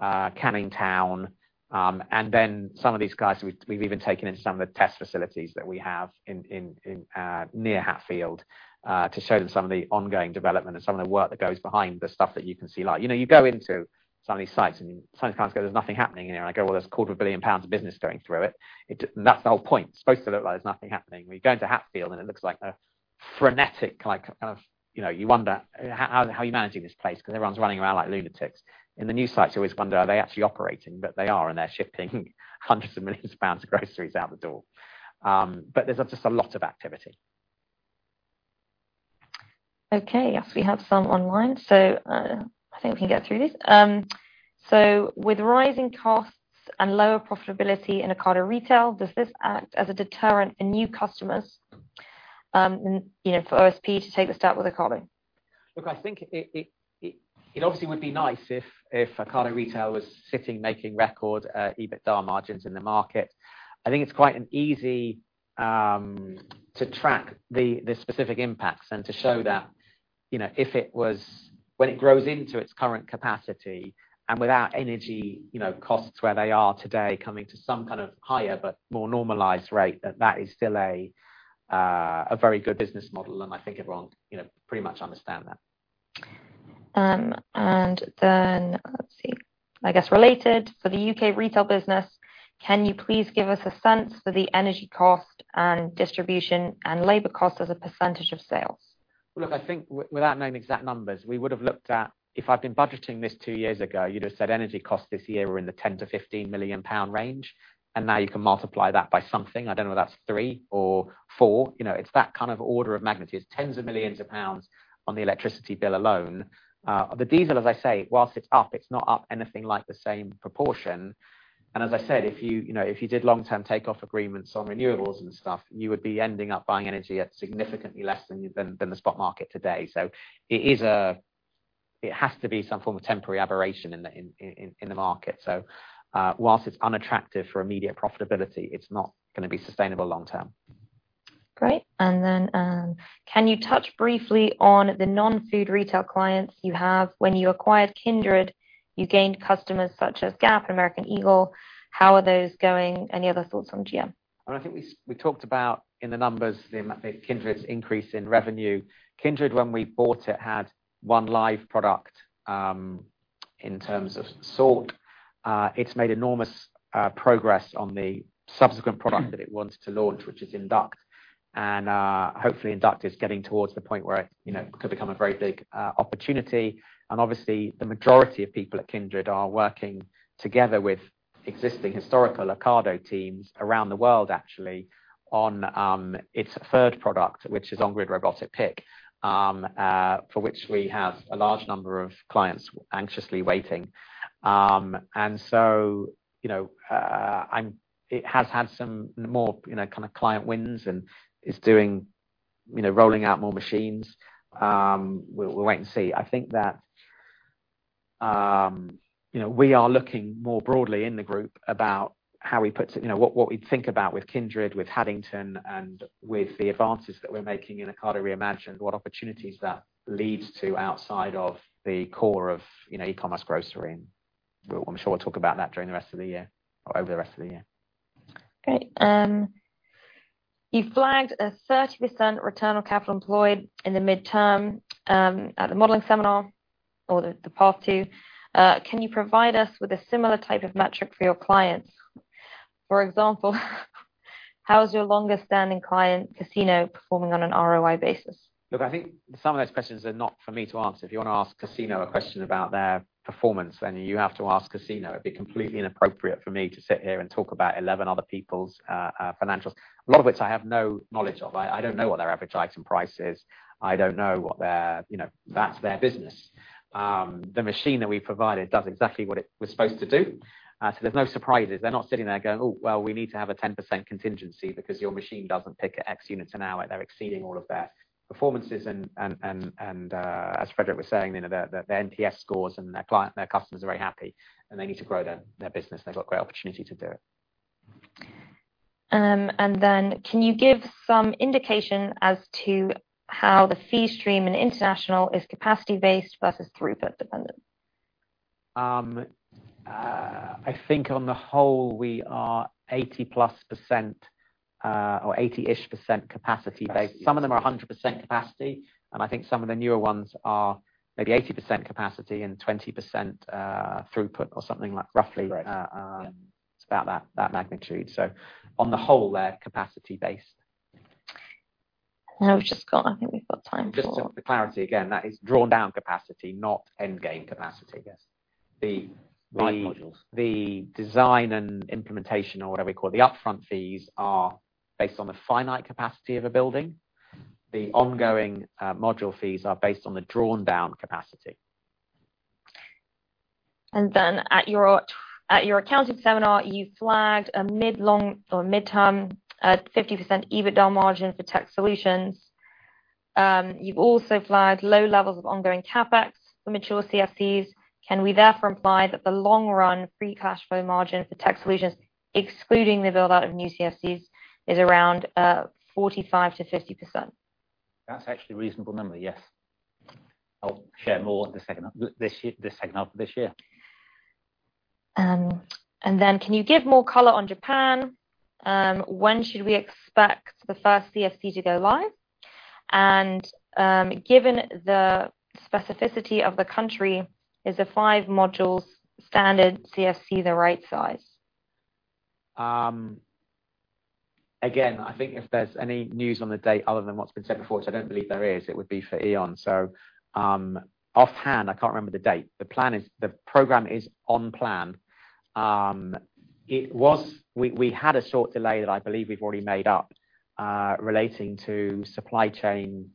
Canning Town, and then some of these guys we've even taken into some of the test facilities that we have in near Hatfield to show them some of the ongoing development and some of the work that goes behind the stuff that you can see live. You know, you go into some of these sites, and some clients go, "There's nothing happening in here." I go, "Well, there's a quarter of a billion pounds of business going through it." That's the whole point. It's supposed to look like there's nothing happening. When you go into Hatfield, and it looks like a frenetic, like, kind of, you know, you wonder how are you managing this place 'cause everyone's running around like lunatics. In the new sites, you always wonder, are they actually operating? They are, and they're shipping hundreds of millions of pounds of groceries out the door. But there's just a lot of activity. Okay. Yes, we have some online. I think we can get through this. With rising costs and lower profitability in Ocado Retail, does this act as a deterrent in new customers, and, you know, for OSP to take the step with Ocado? Look, I think it obviously would be nice if Ocado Retail was sitting making record EBITDA margins in the market. I think it's quite an easy to track the specific impacts and to show that, you know, when it grows into its current capacity and without energy, you know, costs where they are today coming to some kind of higher but more normalized rate, that is still a very good business model, and I think everyone, you know, pretty much understand that. Let's see. I guess related to the U.K. retail business, can you please give us a sense for the energy cost and distribution and labor cost as a percentage of sales? Look, I think without knowing exact numbers, we would have looked at, if I'd been budgeting this two years ago, you'd have said energy costs this year were in the 10 million-15 million pound range, and now you can multiply that by something. I don't know if that's three or four. You know, it's that kind of order of magnitude. It's tens of millions of GBP on the electricity bill alone. The diesel, as I say, while it's up, it's not up anything like the same proportion. As I said, if you know, if you did long-term take-or-pay agreements on renewables and stuff, you would be ending up buying energy at significantly less than the spot market today. It has to be some form of temporary aberration in the market. While it's unattractive for immediate profitability, it's not gonna be sustainable long term. Great. Can you touch briefly on the non-food retail clients you have? When you acquired Kindred, you gained customers such as Gap, American Eagle. How are those going? Any other thoughts on GM? I think we talked about in the numbers the Kindred's increase in revenue. Kindred, when we bought it, had one live product, in terms of sort. It's made enormous progress on the subsequent product that it wants to launch, which is INDUCT. Hopefully INDUCT is getting towards the point where it, you know, could become a very big opportunity. Obviously the majority of people at Kindred are working together with existing historical Ocado teams around the world, actually, on its third product, which is on-grid robotic pick, for which we have a large number of clients anxiously waiting. You know, it has had some more, you know, kinda client wins and is doing, you know, rolling out more machines. We'll wait and see. I think that, you know, we are looking more broadly in the group about what we think about with Kindred, with Haddington, and with the advances that we're making in Ocado Re:Imagined, what opportunities that leads to outside of the core of, you know, e-commerce grocery. I'm sure we'll talk about that during the rest of the year or over the rest of the year. You flagged a 30% return on capital employed in the midterm at the modeling seminar or the path to. Can you provide us with a similar type of metric for your clients? For example, how is your longest standing client, Casino, performing on an ROI basis? Look, I think some of those questions are not for me to answer. If you wanna ask Casino a question about their performance, then you have to ask Casino. It'd be completely inappropriate for me to sit here and talk about 11 other people's financials, a lot of which I have no knowledge of. I don't know what their average item price is. You know, that's their business. The machine that we provided does exactly what it was supposed to do, so there's no surprises. They're not sitting there going, "Oh, well, we need to have a 10% contingency because your machine doesn't pick at X units an hour." They're exceeding all of their performances. As [Frédéric] was saying, you know, their NPS scores and their client, their customers are very happy, and they need to grow their business, and they've got a great opportunity to do it. Can you give some indication as to how the fee stream in international is capacity based versus throughput dependent? I think on the whole, we are 80%+ or 80-ish% capacity based. Some of them are 100% capacity, and I think some of the newer ones are maybe 80% capacity and 20% throughput or something like roughly. Right. It's about that magnitude. On the whole, they're capacity based. Now we've just got, I think we've got time for. Just for clarity, again, that is drawn down capacity, not endgame capacity. Yes. The, the- modules. The design and implementation or whatever we call, the upfront fees are based on the finite capacity of a building. The ongoing, module fees are based on the drawn down capacity. At your accounting seminar, you flagged a mid- to long- or mid-term 50% EBITDA margin for tech solutions. You've also flagged low levels of ongoing CapEx for mature CFCs. Can we therefore imply that the long-run free cash flow margin for tech solutions, excluding the build out of new CFCs, is around 45%-50%? That's actually a reasonable number, yes. I'll share more the second half, this year, this second half of this year. Can you give more color on Japan? When should we expect the first CFC to go live? Given the specificity of the country, is a five modules standard CFC the right size? Again, I think if there's any news on the date other than what's been said before, so I don't believe there is, it would be for Aeon. Offhand, I can't remember the date. The plan is, the program is on plan. We had a short delay that I believe we've already made up, relating to supply chain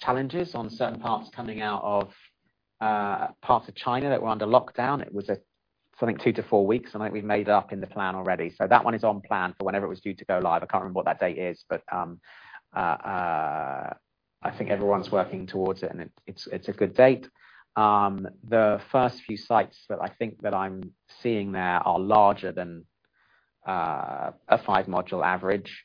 challenges on certain parts coming out of parts of China that were under lockdown. It was, I think, two to four weeks, and I think we've made it up in the plan already. That one is on plan for whenever it was due to go live. I can't remember what that date is, but I think everyone's working towards it, and it's a good date. The first few sites that I think that I'm seeing there are larger than a five module average.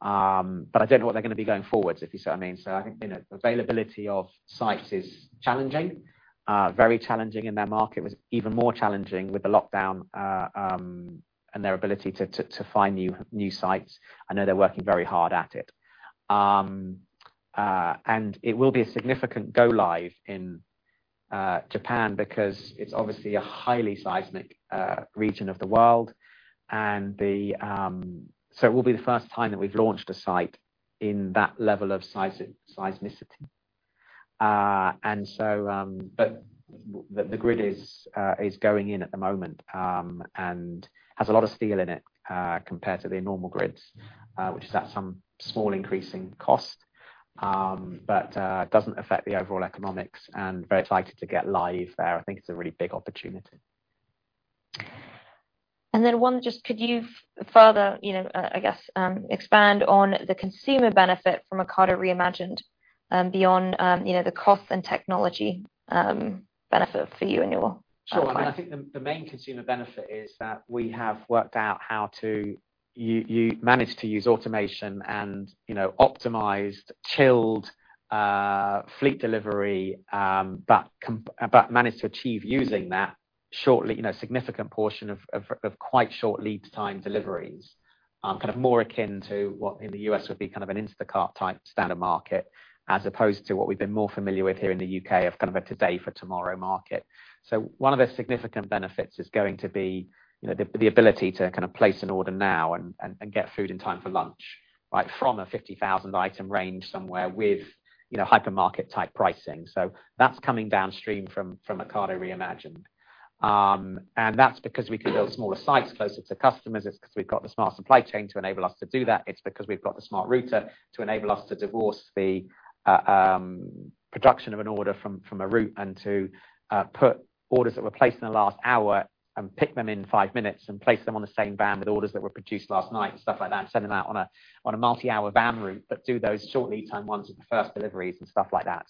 I don't know what they're gonna be going forwards, if you see what I mean. I think, you know, availability of sites is challenging, very challenging in their market. It was even more challenging with the lockdown, and their ability to find new sites. I know they're working very hard at it. It will be a significant go live in Japan because it's obviously a highly seismic region of the world. It will be the first time that we've launched a site in that level of seismicity. The grid is going in at the moment, and has a lot of steel in it, compared to their normal grids, which is at some small increasing cost. It doesn't affect the overall economics and very excited to get live there. I think it's a really big opportunity. Could you further, you know, I guess, expand on the consumer benefit from Ocado Re:Imagined, beyond, you know, the cost and technology benefit for you and your client? Sure. I think the main consumer benefit is that we have worked out how to manage to use automation and, you know, optimized chilled fleet delivery, but managed to achieve using that shortly, you know, significant portion of quite short lead time deliveries. Kind of more akin to what in the U.S. would be kind of an Instacart type standard market, as opposed to what we've been more familiar with here in the U.K. of kind of a today for tomorrow market. One of the significant benefits is going to be, you know, the ability to kind of place an order now and get food in time for lunch, right? From a 50,000 item range somewhere with, you know, hypermarket type pricing. That's coming downstream from Ocado Re:Imagined. That's because we can build smaller sites closer to customers. It's because we've got the smart supply chain to enable us to do that. It's because we've got the smart router to enable us to divorce the production of an order from a route and to put orders that were placed in the last hour and pick them in five minutes and place them on the same van with orders that were produced last night and stuff like that, and send them out on a multi-hour van route. Do those short lead time ones with the first deliveries and stuff like that.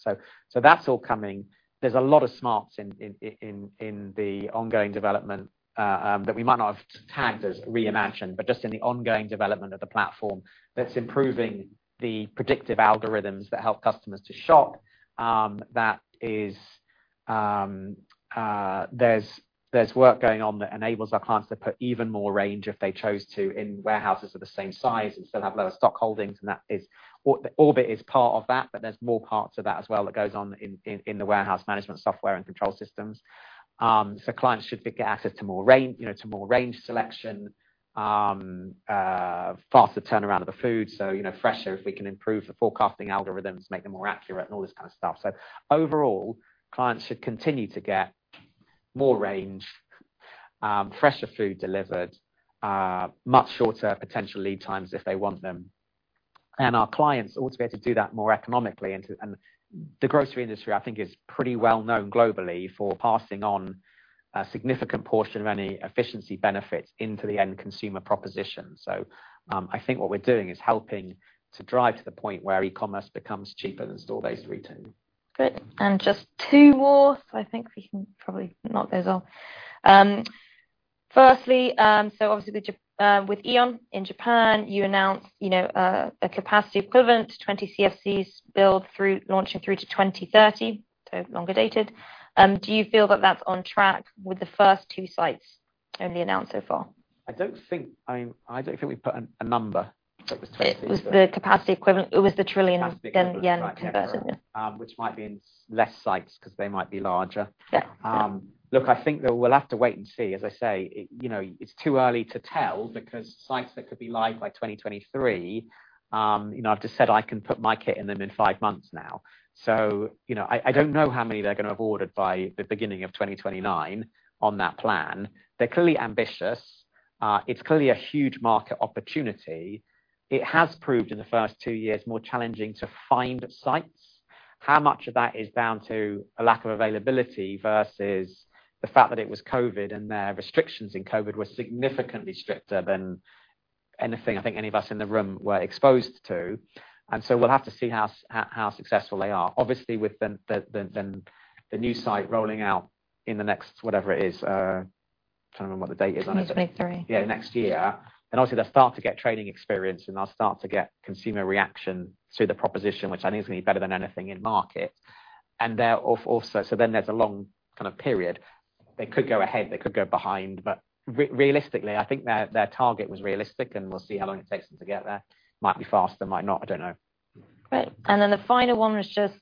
That's all coming. There's a lot of smarts in the ongoing development that we might not have tagged as Re:Imagined, but just in the ongoing development of the platform that's improving the predictive algorithms that help customers to shop. That is, there's work going on that enables our clients to put even more range if they chose to in warehouses of the same size and still have lower stock holdings. Orbit is part of that, but there's more parts of that as well that goes on in the warehouse management software and control systems. Clients should get access to more range, you know, to more range selection, faster turnaround of the food. You know, fresher if we can improve the forecasting algorithms, make them more accurate and all this kind of stuff. Overall, clients should continue to get more range, fresher food delivered, much shorter potential lead times if they want them. Our clients ought to be able to do that more economically. The grocery industry, I think, is pretty well known globally for passing on a significant portion of any efficiency benefits into the end consumer proposition. I think what we're doing is helping to drive to the point where e-commerce becomes cheaper than store-based retail. Good. Just two more, so I think we can probably knock those off. Firstly, obviously the JV with Aeon in Japan, you announced a capacity equivalent to 20 CFCs launching through to 2030, so longer dated. Do you feel that that's on track with the first two sites only announced so far? I mean, I don't think we've put a number. It was the capacity equivalent. It was the 1 trillion yen conversion, yeah. Which might be in less sites 'cause they might be larger. Yeah. Yeah. Look, I think that we'll have to wait and see. As I say, you know, it's too early to tell because sites that could be live by 2023, you know, I've just said I can put my kit in them in five months now. So, you know, I don't know how many they're gonna have ordered by the beginning of 2029 on that plan. They're clearly ambitious. It's clearly a huge market opportunity. It has proved in the first two years more challenging to find sites. How much of that is down to a lack of availability versus the fact that it was COVID, and their restrictions in COVID were significantly stricter than anything I think any of us in the room were exposed to. We'll have to see how successful they are. Obviously, with the new site rolling out in the next whatever it is, trying to remember what the date is on it. 2023. Yeah, next year. Obviously they'll start to get trading experience, and they'll start to get consumer reaction to the proposition, which I think is gonna be better than anything in market. They're also, so then there's a long kind of period. They could go ahead. They could go behind. Realistically, I think their target was realistic, and we'll see how long it takes them to get there. Might be faster, might not, I don't know. Great. The final one was just,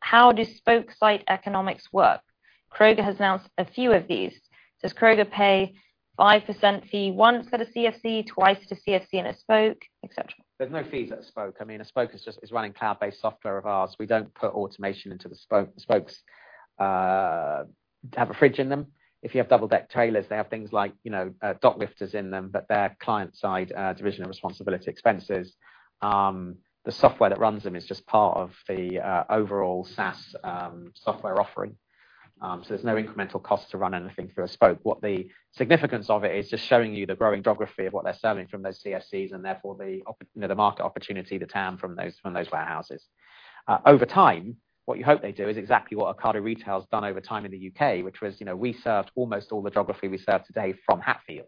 how do spoke site economics work? Kroger has announced a few of these. Does Kroger pay 5% fee once at a CFC, 2x to CFC and a spoke, et cetera? There's no fees at a spoke. I mean, a spoke is just running cloud-based software of ours. We don't put automation into the spokes. They have a fridge in them. If you have double-deck trailers, they have things like dock lifters in them, but they're client-side division of responsibility expenses. The software that runs them is just part of the overall SaaS software offering. There's no incremental cost to run anything through a spoke. What the significance of it is just showing you the growing geography of what they're selling from those CFCs and therefore the market opportunity, the TAM from those warehouses. Over time, what you hope they do is exactly what Ocado Retail has done over time in the U.K., which was, you know, we served almost all the geography we serve today from Hatfield.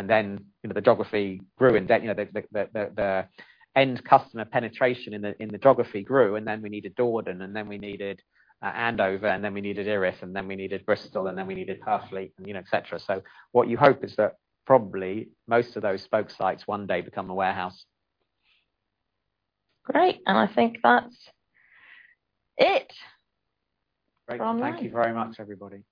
Then, you know, the geography grew, and then, you know, the end customer penetration in the geography grew, and then we needed Dordon, and then we needed Andover, and then we needed Erith, and then we needed Bristol, and then we needed Purfleet, and, you know, et cetera. What you hope is that probably most of those spoke sites one day become a warehouse. Great. I think that's it. We're online. Thank you very much, everybody. Thank you.